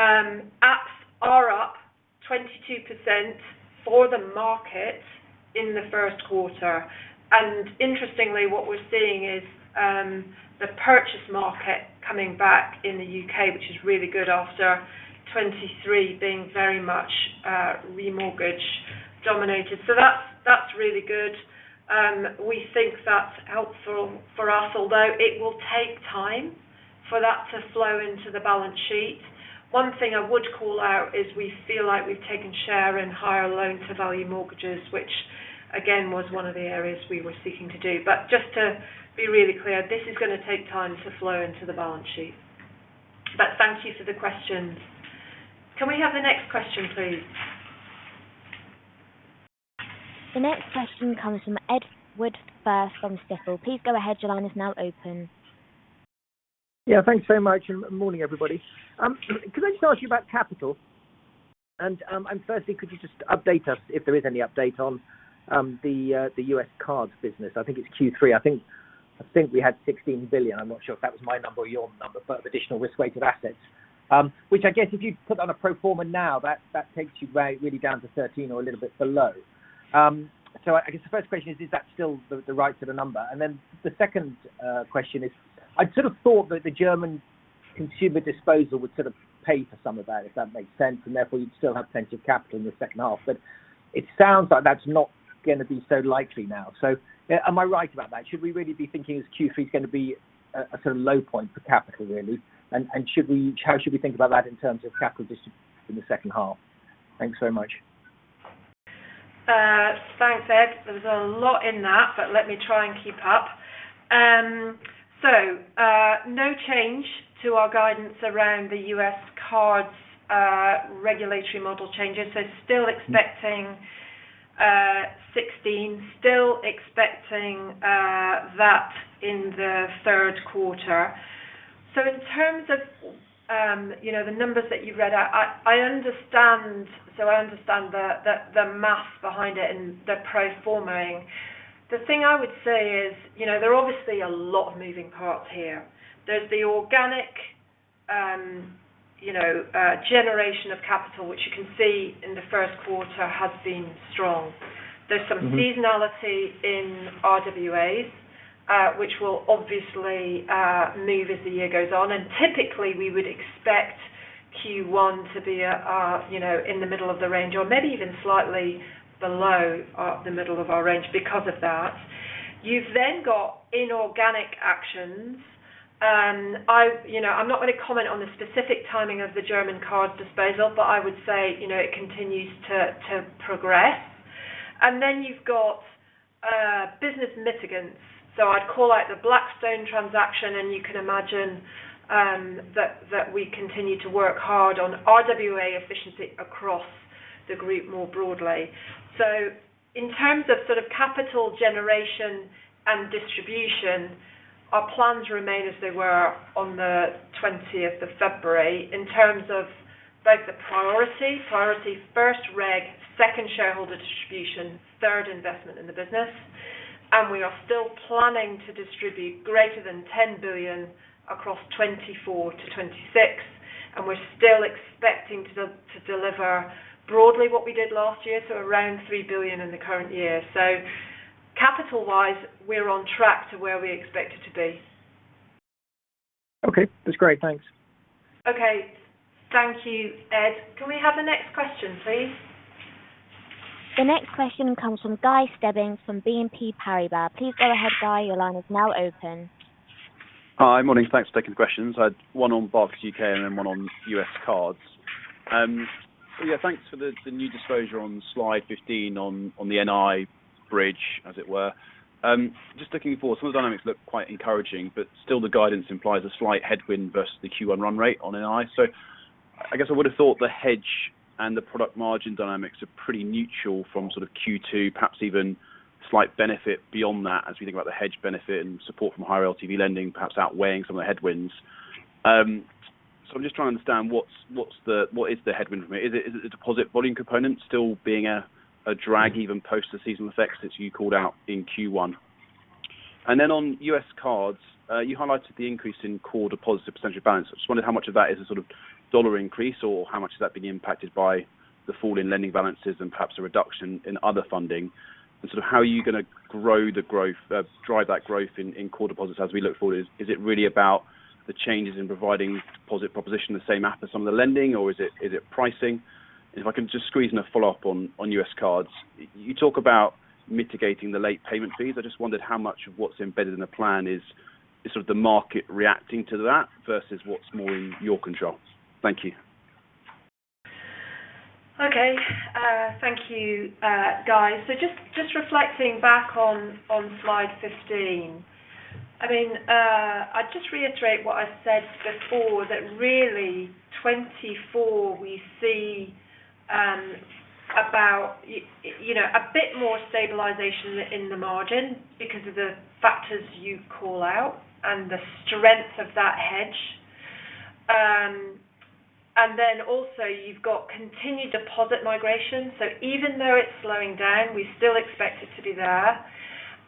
Apps are up 22% for the market in the first quarter. Interestingly, what we're seeing is the purchase market coming back in the U.K., which is really good after 2023 being very much remortgage dominated. So that's, that's really good. We think that's helpful for us, although it will take time for that to flow into the balance sheet. One thing I would call out is we feel like we've taken share in higher loan-to-value mortgages, which again, was one of the areas we were seeking to do. But just to be really clear, this is gonna take time to flow into the balance sheet. But thank you for the questions. Can we have the next question, please? The next question comes from Edward Firth from Stifel. Please go ahead. Your line is now open. Yeah, thanks so much, and morning, everybody. Could I just ask you about capital? And firstly, could you just update us if there is any update on the U.S. Cards business? I think it's Q3. I think we had 16 billion. I'm not sure if that was my number or your number, but of additional risk-weighted assets. Which I guess if you put on a pro forma now, that takes you way, really down to 13 or a little bit below. So I guess the first question is, is that still the right sort of number? And then the second question is, I sort of thought that the German consumer disposal would sort of pay for some of that, if that makes sense, and therefore you'd still have plenty of capital in the second half. But it sounds like that's not gonna be so likely now. So, am I right about that? Should we really be thinking Q3 is gonna be a sort of low point for capital, really? And should we, how should we think about that in terms of capital just in the second half? Thanks so much. Thanks, Ed. There was a lot in that, but let me try and keep up. So, no change to our guidance around the U.S. Cards, regulatory model changes. So still expecting 16, still expecting that in the third quarter. So in terms of, you know, the numbers that you read out, I understand. So I understand the math behind it and the pro forma. The thing I would say is, you know, there are obviously a lot of moving parts here. There's the organic, you know, generation of capital, which you can see in the first quarter has been strong. Mm-hmm. There's some seasonality in RWAs, which will obviously move as the year goes on. And typically, we would expect Q1 to be, you know, in the middle of the range or maybe even slightly below the middle of our range because of that. You've then got inorganic actions. I, you know, I'm not going to comment on the specific timing of the German card disposal, but I would say, you know, it continues to progress. And then you've got business mitigants. So I'd call out the Blackstone transaction, and you can imagine that we continue to work hard on RWA efficiency across the group more broadly. So in terms of sort of capital generation and distribution, our plans remain as they were on the twentieth of February, in terms of both the priority. Priority, first reg, second shareholder distribution, third, investment in the business. And we are still planning to distribute greater than 10 billion across 2024-2026, and we're still expecting to deliver broadly what we did last year, so around 3 billion in the current year. So capital-wise, we're on track to where we expect it to be. Okay, that's great. Thanks. Okay. Thank you, Ed. Can we have the next question, please? The next question comes from Guy Stebbings, from BNP Paribas. Please go ahead, Guy. Your line is now open. Hi, morning. Thanks for taking the questions. I had one on Barclays U.K. and then one on U.S. Cards. Yeah, thanks for the new disclosure on Slide 15 on the NII bridge, as it were. Just looking forward, some of the dynamics look quite encouraging, but still the guidance implies a slight headwind versus the Q1 run rate on NII. So I guess I would have thought the hedge and the product margin dynamics are pretty neutral from sort of Q2, perhaps even slight benefit beyond that, as we think about the hedge benefit and support from higher LTV lending, perhaps outweighing some of the headwinds. So I'm just trying to understand what's the headwind for me? Is it the deposit volume component still being a drag, even post the seasonal effects that you called out in Q1? Then on U.S. Cards, you highlighted the increase in core deposit percentage balance. I just wondered how much of that is a sort of dollar increase, or how much has that been impacted by the fall in lending balances and perhaps a reduction in other funding? And sort of how are you gonna grow the growth, drive that growth in core deposits as we look forward, is it really about the changes in providing deposit proposition the same app as some of the lending, or is it, is it pricing? If I can just squeeze in a follow-up on U.S. Cards. You talk about mitigating the late payment fees. I just wondered how much of what's embedded in the plan is sort of the market reacting to that versus what's more in your control? Thank you. Okay, thank you, Guy. So just, just reflecting back on, on Slide 15. I mean, I'd just reiterate what I said before, that really 2024, we see, about, you know, a bit more stabilization in the margin because of the factors you call out and the strength of that hedge. And then also you've got continued deposit migration. So even though it's slowing down, we still expect it to be there.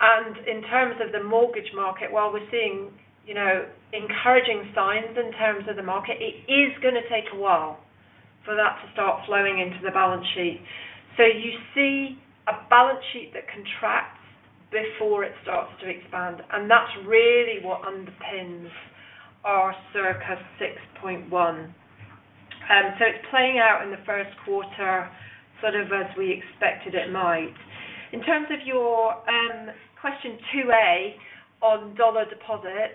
And in terms of the mortgage market, while we're seeing, you know, encouraging signs in terms of the market, it is gonna take a while for that to start flowing into the balance sheet. So you see a balance sheet that contracts before it starts to expand, and that's really what underpins our CIR circa 6.1. So it's playing out in the first quarter, sort of as we expected it might. In terms of your question 2A on dollar deposits,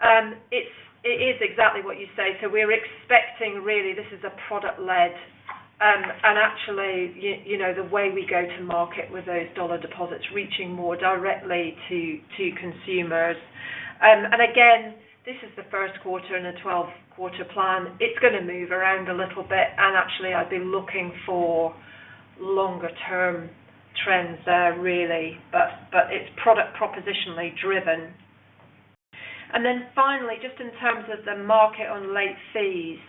it is exactly what you say. So we're expecting, really, this is a product-led, and actually, you know, the way we go to market with those dollar deposits reaching more directly to consumers. And again, this is the first quarter in a 12-quarter plan. It's gonna move around a little bit, and actually, I'd be looking for longer-term trends there, really, but it's product propositionally driven. And then finally, just in terms of the market on late fees,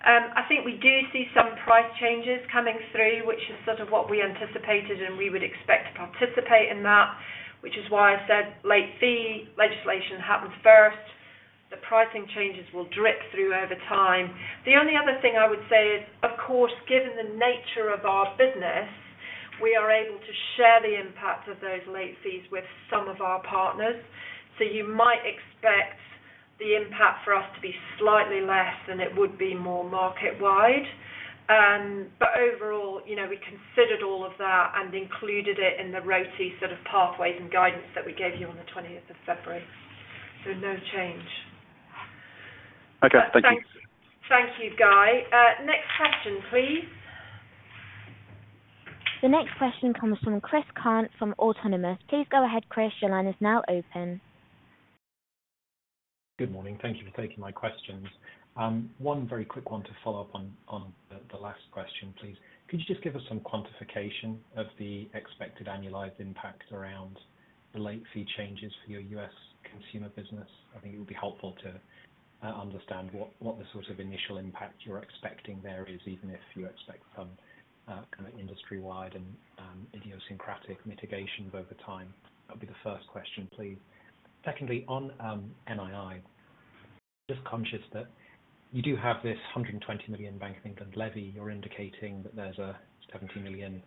I think we do see some price changes coming through, which is sort of what we anticipated, and we would expect to participate in that, which is why I said late fee legislation happens first. The pricing changes will drip through over time. The only other thing I would say is, of course, given the nature of our business, we are able to share the impact of those late fees with some of our partners. So you might expect the impact for us to be slightly less than it would be more market wide. But overall, you know, we considered all of that and included it in the ROTE sort of pathways and guidance that we gave you on the twentieth of February. So no change. Okay, thank you. Thank you, Guy. Next question, please. The next question comes from Chris Kahn from Autonomous. Please go ahead, Chris. Your line is now open. Good morning. Thank you for taking my questions. One very quick one to follow up on the last question, please. Could you just give us some quantification of the expected annualized impact around the late fee changes for your U.S. consumer business? I think it would be helpful to understand what the sort of initial impact you're expecting there is, even if you expect some kind of industry-wide and idiosyncratic mitigations over time. That'll be the first question, please. Secondly, on NII, just conscious that you do have this 120 million Bank of England levy. You're indicating that there's a 70 million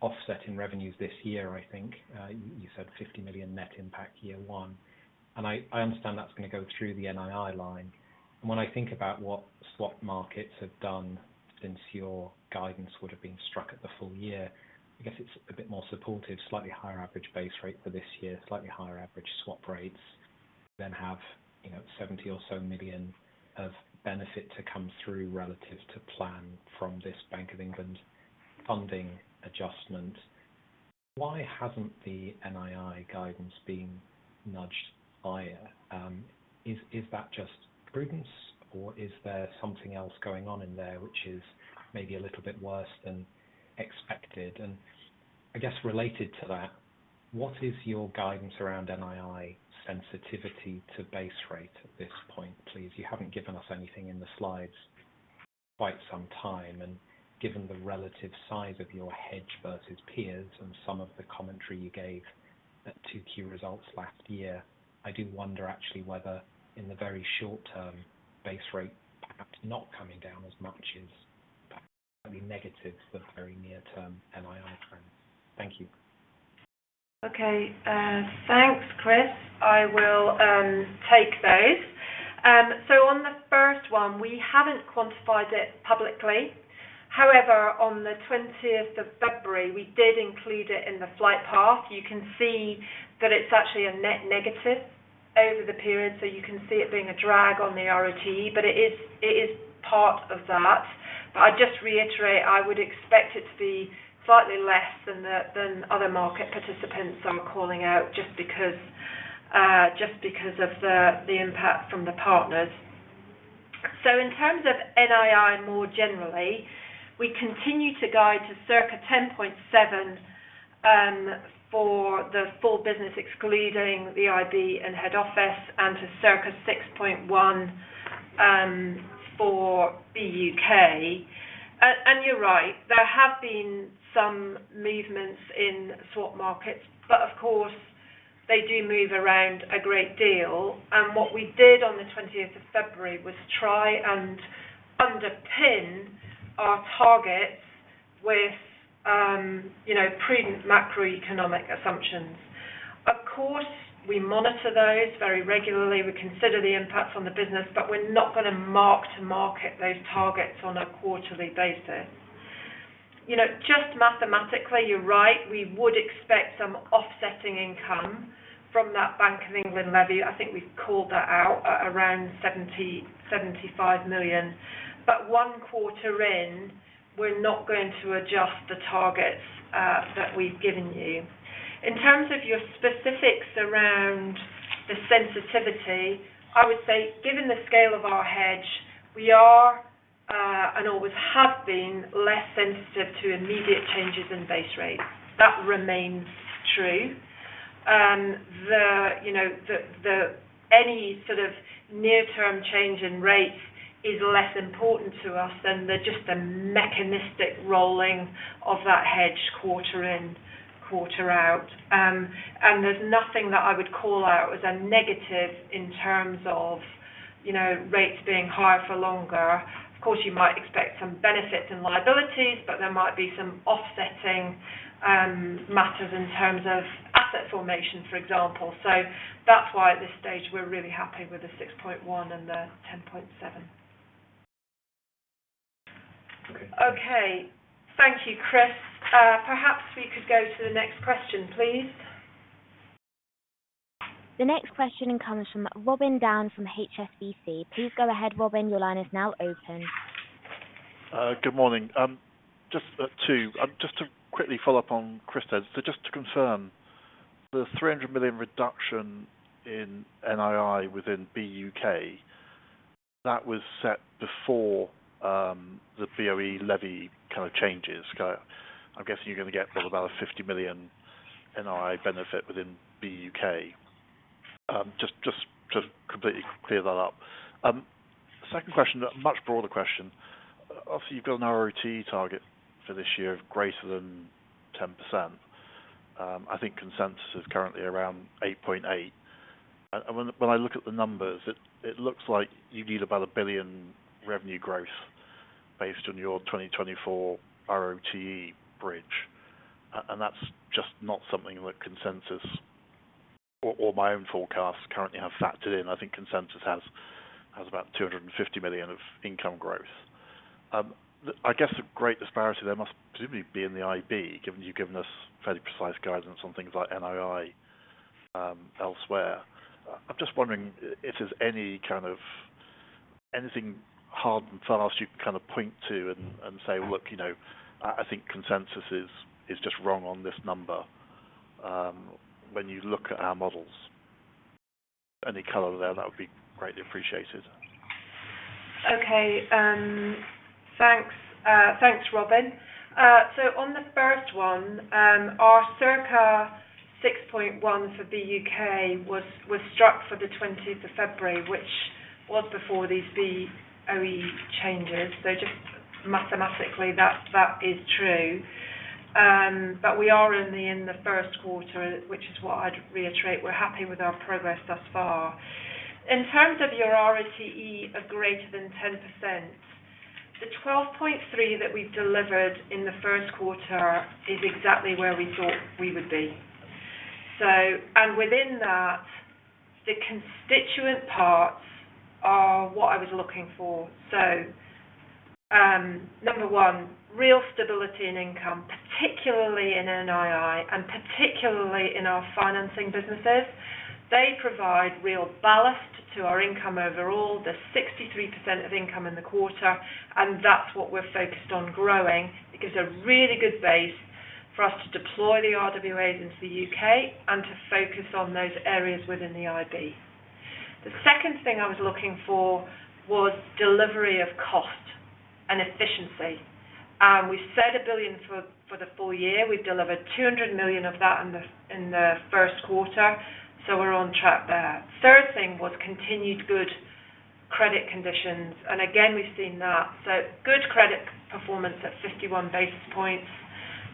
offset in revenues this year, I think. You said 50 million net impact year one. And I understand that's going to go through the NII line. When I think about what swap markets have done since your guidance would have been struck at the full year, I guess it's a bit more supportive, slightly higher average base rate for this year, slightly higher average swap rates than have, you know, 70 million or so of benefit to come through relative to plan from this Bank of England funding adjustment. Why hasn't the NII guidance been nudged higher? Is that just prudence, or is there something else going on in there which is maybe a little bit worse than expected? And I guess related to that, what is your guidance around NII sensitivity to base rate at this point, please? You haven't given us anything in the slides quite some time, and given the relative size of your hedge versus peers and some of the commentary you gave at 2Q results last year, I do wonder actually whether in the very short term, base rate perhaps not coming down as much is probably negative for the very near term NII trend. Thank you. Okay, thanks, Chris. I will take those. So on the first one, we haven't quantified it publicly. However, on the twentieth of February, we did include it in the flight path. You can see that it's actually a net negative over the period, so you can see it being a drag on the ROTE, but it is, it is part of that. But I'd just reiterate, I would expect it to be slightly less than the, than other market participants I'm calling out just because, just because of the, the impact from the partners. So in terms of NII, more generally, we continue to guide to circa 10.7 for the full business, excluding the IB and head office, and to circa 6.1 for BUK. And you're right, there have been some movements in swap markets, but of course, they do move around a great deal. What we did on the twentieth of February was try and underpin our targets with, you know, prudent macroeconomic assumptions. Of course, we monitor those very regularly. We consider the impacts on the business, but we're not gonna mark-to-market those targets on a quarterly basis. You know, just mathematically, you're right, we would expect some offsetting income from that Bank of England levy. I think we've called that out at around 70 million-75 million, but one quarter in, we're not going to adjust the targets that we've given you. In terms of your specifics around the sensitivity, I would say, given the scale of our hedge, we are and always have been, less sensitive to immediate changes in base rates. That remains true. You know, any sort of near-term change in rates is less important to us than the, just the mechanistic rolling of that hedge quarter in, quarter out. And there's nothing that I would call out as a negative in terms of, you know, rates being higher for longer. Of course, you might expect some benefits and liabilities, but there might be some offsetting matters in terms of asset formation, for example. So that's why at this stage, we're really happy with the 6.1 and the 10.7. Okay. Okay, thank you, Chris. Perhaps we could go to the next question, please. The next question comes from Robin Down from HSBC. Please go ahead, Robin. Your line is now open. Good morning. Just two, just to quickly follow up on Chris' end. So just to confirm, the 300 million reduction in NII within BUK- ...That was set before, the BoE levy kind of changes. I'm guessing you're going to get what, about a 50 million NII benefit within the U.K. Just to completely clear that up. Second question, a much broader question. Obviously, you've got an ROTE target for this year of greater than 10%. I think consensus is currently around 8.8. And when I look at the numbers, it looks like you need about a 1 billion revenue growth based on your 2024 ROTE bridge. And that's just not something that consensus or my own forecasts currently have factored in. I think consensus has about 250 million of income growth. I guess the great disparity there must presumably be in the IB, given you've given us fairly precise guidance on things like NII, elsewhere. I'm just wondering if there's any kind of anything hard and fast you can kind of point to and say: Look, you know, I think consensus is just wrong on this number, when you look at our models. Any color there, that would be greatly appreciated. Okay, thanks, thanks, Robin. So on the first one, our circa 6.1 for the U.K. was struck for the twentieth of February, which was before these BOE changes. So just mathematically, that is true. But we are only in the first quarter, which is what I'd reiterate. We're happy with our progress thus far. In terms of your ROTE of greater than 10%, the 12.3 that we've delivered in the first quarter is exactly where we thought we would be. So, and within that, the constituent parts are what I was looking for. So, number one, real stability and income, particularly in NII, and particularly in our financing businesses. They provide real ballast to our income overall, the 63% of income in the quarter, and that's what we're focused on growing. It gives a really good base for us to deploy the RWAs into the U.K. and to focus on those areas within the IB. The second thing I was looking for was delivery of cost and efficiency. We said 1 billion for, for the full year. We've delivered 200 million of that in the, in the first quarter, so we're on track there. Third thing was continued good credit conditions, and again, we've seen that. So good credit performance at 51 basis points,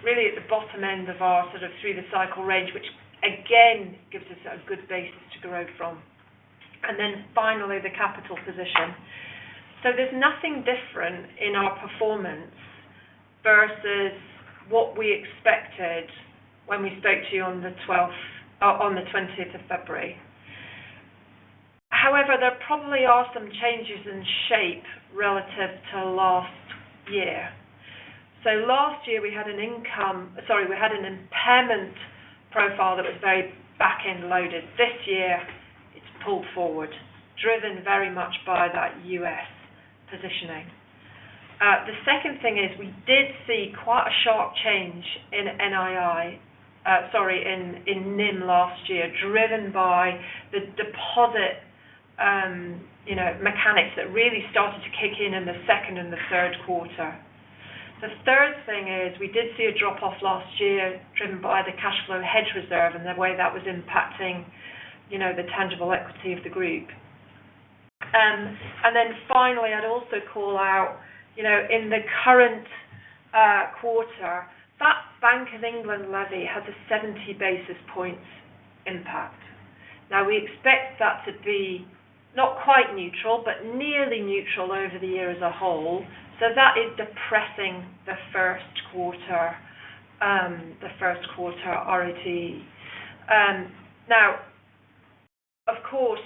really at the bottom end of our sort of through the cycle range, which again, gives us a good basis to grow from. And then finally, the capital position. So there's nothing different in our performance versus what we expected when we spoke to you on the twelfth on the twentieth of February. However, there probably are some changes in shape relative to last year. So last year, we had an income... Sorry, we had an impairment profile that was very back-end loaded. This year, it's pulled forward, driven very much by that U.S. positioning. The second thing is we did see quite a sharp change in NII, sorry, in NIM last year, driven by the deposit, you know, mechanics that really started to kick in, in the second and the third quarter. The third thing is we did see a drop-off last year, driven by the cash flow hedge reserve and the way that was impacting, you know, the tangible equity of the group. And then finally, I'd also call out, you know, in the current quarter, that Bank of England levy has a 70 basis points impact. Now, we expect that to be not quite neutral, but nearly neutral over the year as a whole. So that is depressing the first quarter, the first quarter ROTE. Now, of course,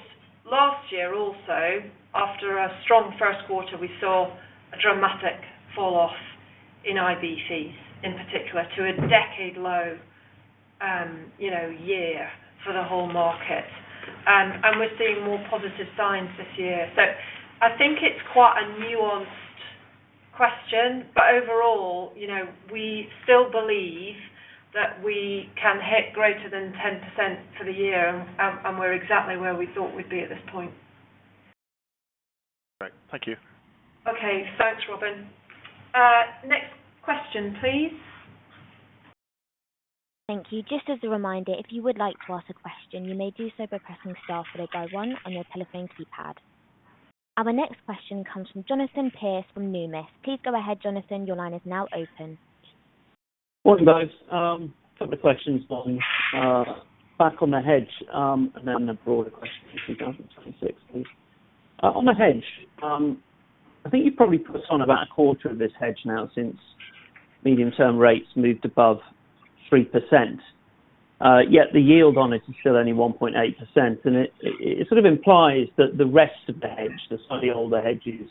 last year also, after a strong first quarter, we saw a dramatic falloff in IB fees, in particular, to a decade low, you know, year for the whole market. And we're seeing more positive signs this year. So I think it's quite a nuanced question, but overall, you know, we still believe that we can hit greater than 10% for the year, and we're exactly where we thought we'd be at this point. Right. Thank you. Okay, thanks, Robin. Next question, please. Thank you. Just as a reminder, if you would like to ask a question, you may do so by pressing star followed by one on your telephone keypad. Our next question comes from Jonathan Pearce from Numis. Please go ahead, Jonathan. Your line is now open. Morning, guys. A couple of questions on back on the hedge, and then a broader question in 2026, please. On the hedge, I think you've probably put us on about a quarter of this hedge now since medium-term rates moved above 3%. Yet the yield on it is still only 1.8%, and it sort of implies that the rest of the hedge, the slightly older hedge, is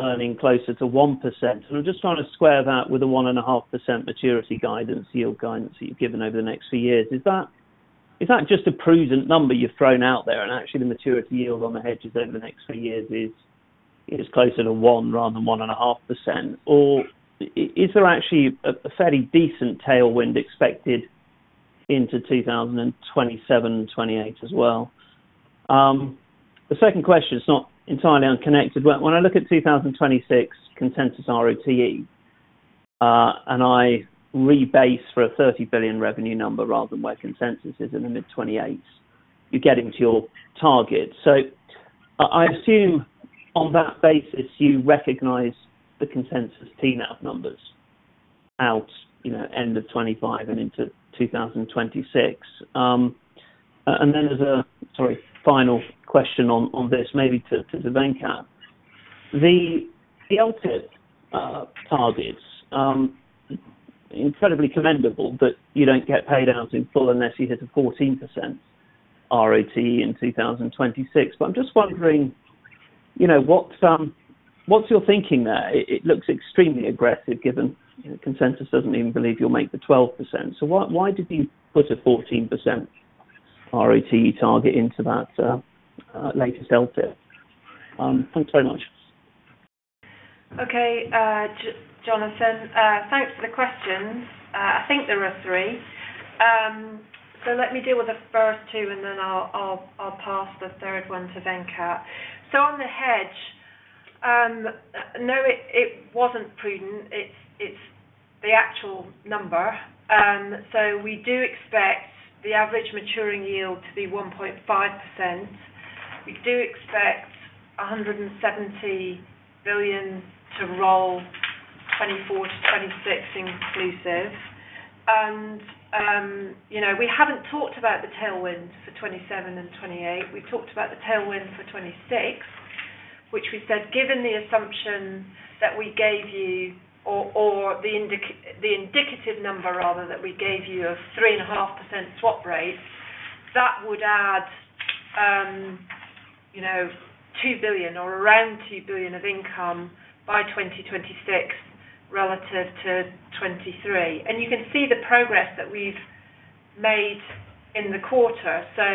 earning closer to 1%. And I'm just trying to square that with the 1.5% maturity guidance, yield guidance that you've given over the next few years. Is that just a prudent number you've thrown out there, and actually, the maturity yield on the hedges over the next few years is closer to 1% rather than 1.5%? Or is there actually a fairly decent tailwind expected into 2027 and 2028 as well. The second question is not entirely unconnected. When I look at 2026 consensus ROTE, and I rebase for a £30 billion revenue number rather than where consensus is in the mid-28s, you're getting to your target. So I assume on that basis, you recognize the consensus TNAV numbers out, you know, end of 2025 and into 2026. And then, sorry, as a final question on this, maybe to Venkat. The LTIP targets incredibly commendable, but you don't get paid out in full unless you hit a 14% ROTE in 2026. But I'm just wondering, you know, what's what's your thinking there? It looks extremely aggressive, given consensus doesn't even believe you'll make the 12%. So why did you put a 14% ROTE target into that latest LTIP? Thanks very much. Okay, Jonathan, thanks for the questions. I think there are three. So let me deal with the first two, and then I'll pass the third one to Venkat. So on the hedge, no, it wasn't prudent. It's the actual number. So we do expect the average maturing yield to be 1.5%. We do expect 170 billion to roll 2024-2026 inclusive. And, you know, we haven't talked about the tailwinds for 2027 and 2028. We talked about the tailwind for 2026, which we said, given the assumption that we gave you or the indicative number, rather, that we gave you a 3.5% swap rate, that would add, you know, 2 billion or around 2 billion of income by 2026 relative to 2023. You can see the progress that we've made in the quarter. So,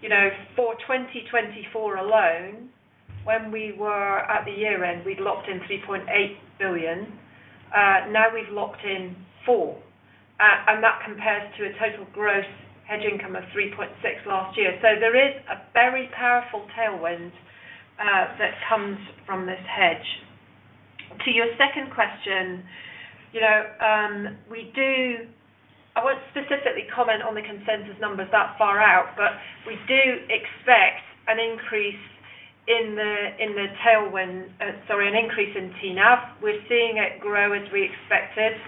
you know, for 2024 alone, when we were at the year-end, we'd locked in 3.8 billion. Now we've locked in 4 billion, and that compares to a total gross hedge income of 3.6 billion last year. So there is a very powerful tailwind that comes from this hedge. To your second question, you know, we do I won't specifically comment on the consensus numbers that far out, but we do expect an increase in the, in the tailwind, sorry, an increase in TNAV. We're seeing it grow as we expected,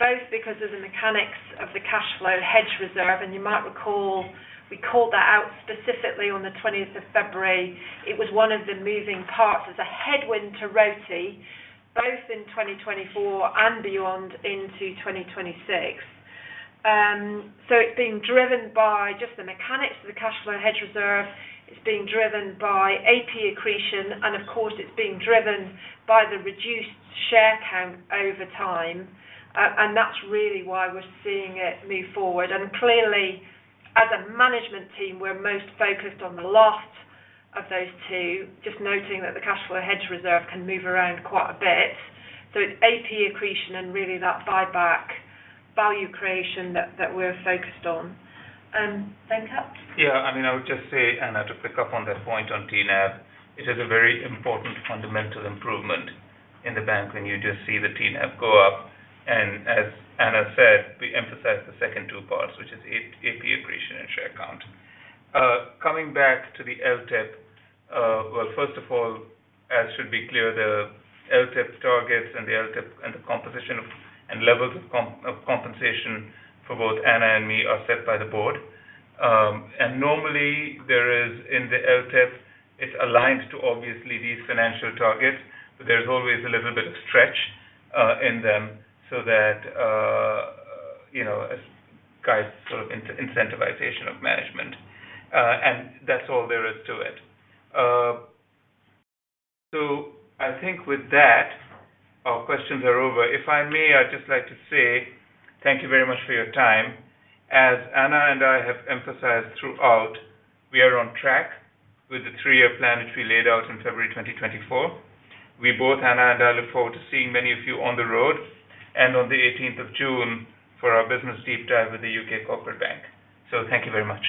both because of the mechanics of the cash flow hedge reserve, and you might recall, we called that out specifically on the twentieth of February. It was one of the moving parts as a headwind to ROTE, both in 2024 and beyond into 2026. So it's being driven by just the mechanics of the cash flow hedge reserve. It's being driven by AP accretion, and of course, it's being driven by the reduced share count over time. That's really why we're seeing it move forward. Clearly, as a management team, we're most focused on the last of those two, just noting that the cash flow hedge reserve can move around quite a bit. So it's AP accretion and really that buyback value creation that, that we're focused on. Venkat? Yeah, I mean, I would just say, Anna, to pick up on that point on TNAV, it is a very important fundamental improvement in the bank when you just see the TNAV go up. And as Anna said, we emphasize the second two parts, which is AP, AP accretion and share count. Coming back to the LTIP, well, first of all, as should be clear, the LTIP targets and the LTIP and the composition of and levels of compensation for both Anna and me are set by the board. And normally there is, in the LTIP, it's aligned to obviously these financial targets, but there's always a little bit of stretch in them so that you know, as guides sort of incentivization of management. And that's all there is to it. So I think with that, our questions are over. If I may, I'd just like to say thank you very much for your time. As Anna and I have emphasized throughout, we are on track with the three-year plan, which we laid out in February 2024. We both, Anna and I, look forward to seeing many of you on the road and on the 18th of June for our business deep dive with the U.K. Corporate Bank. So thank you very much.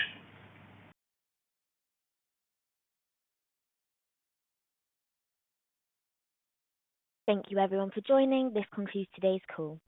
Thank you, everyone, for joining. This concludes today's call.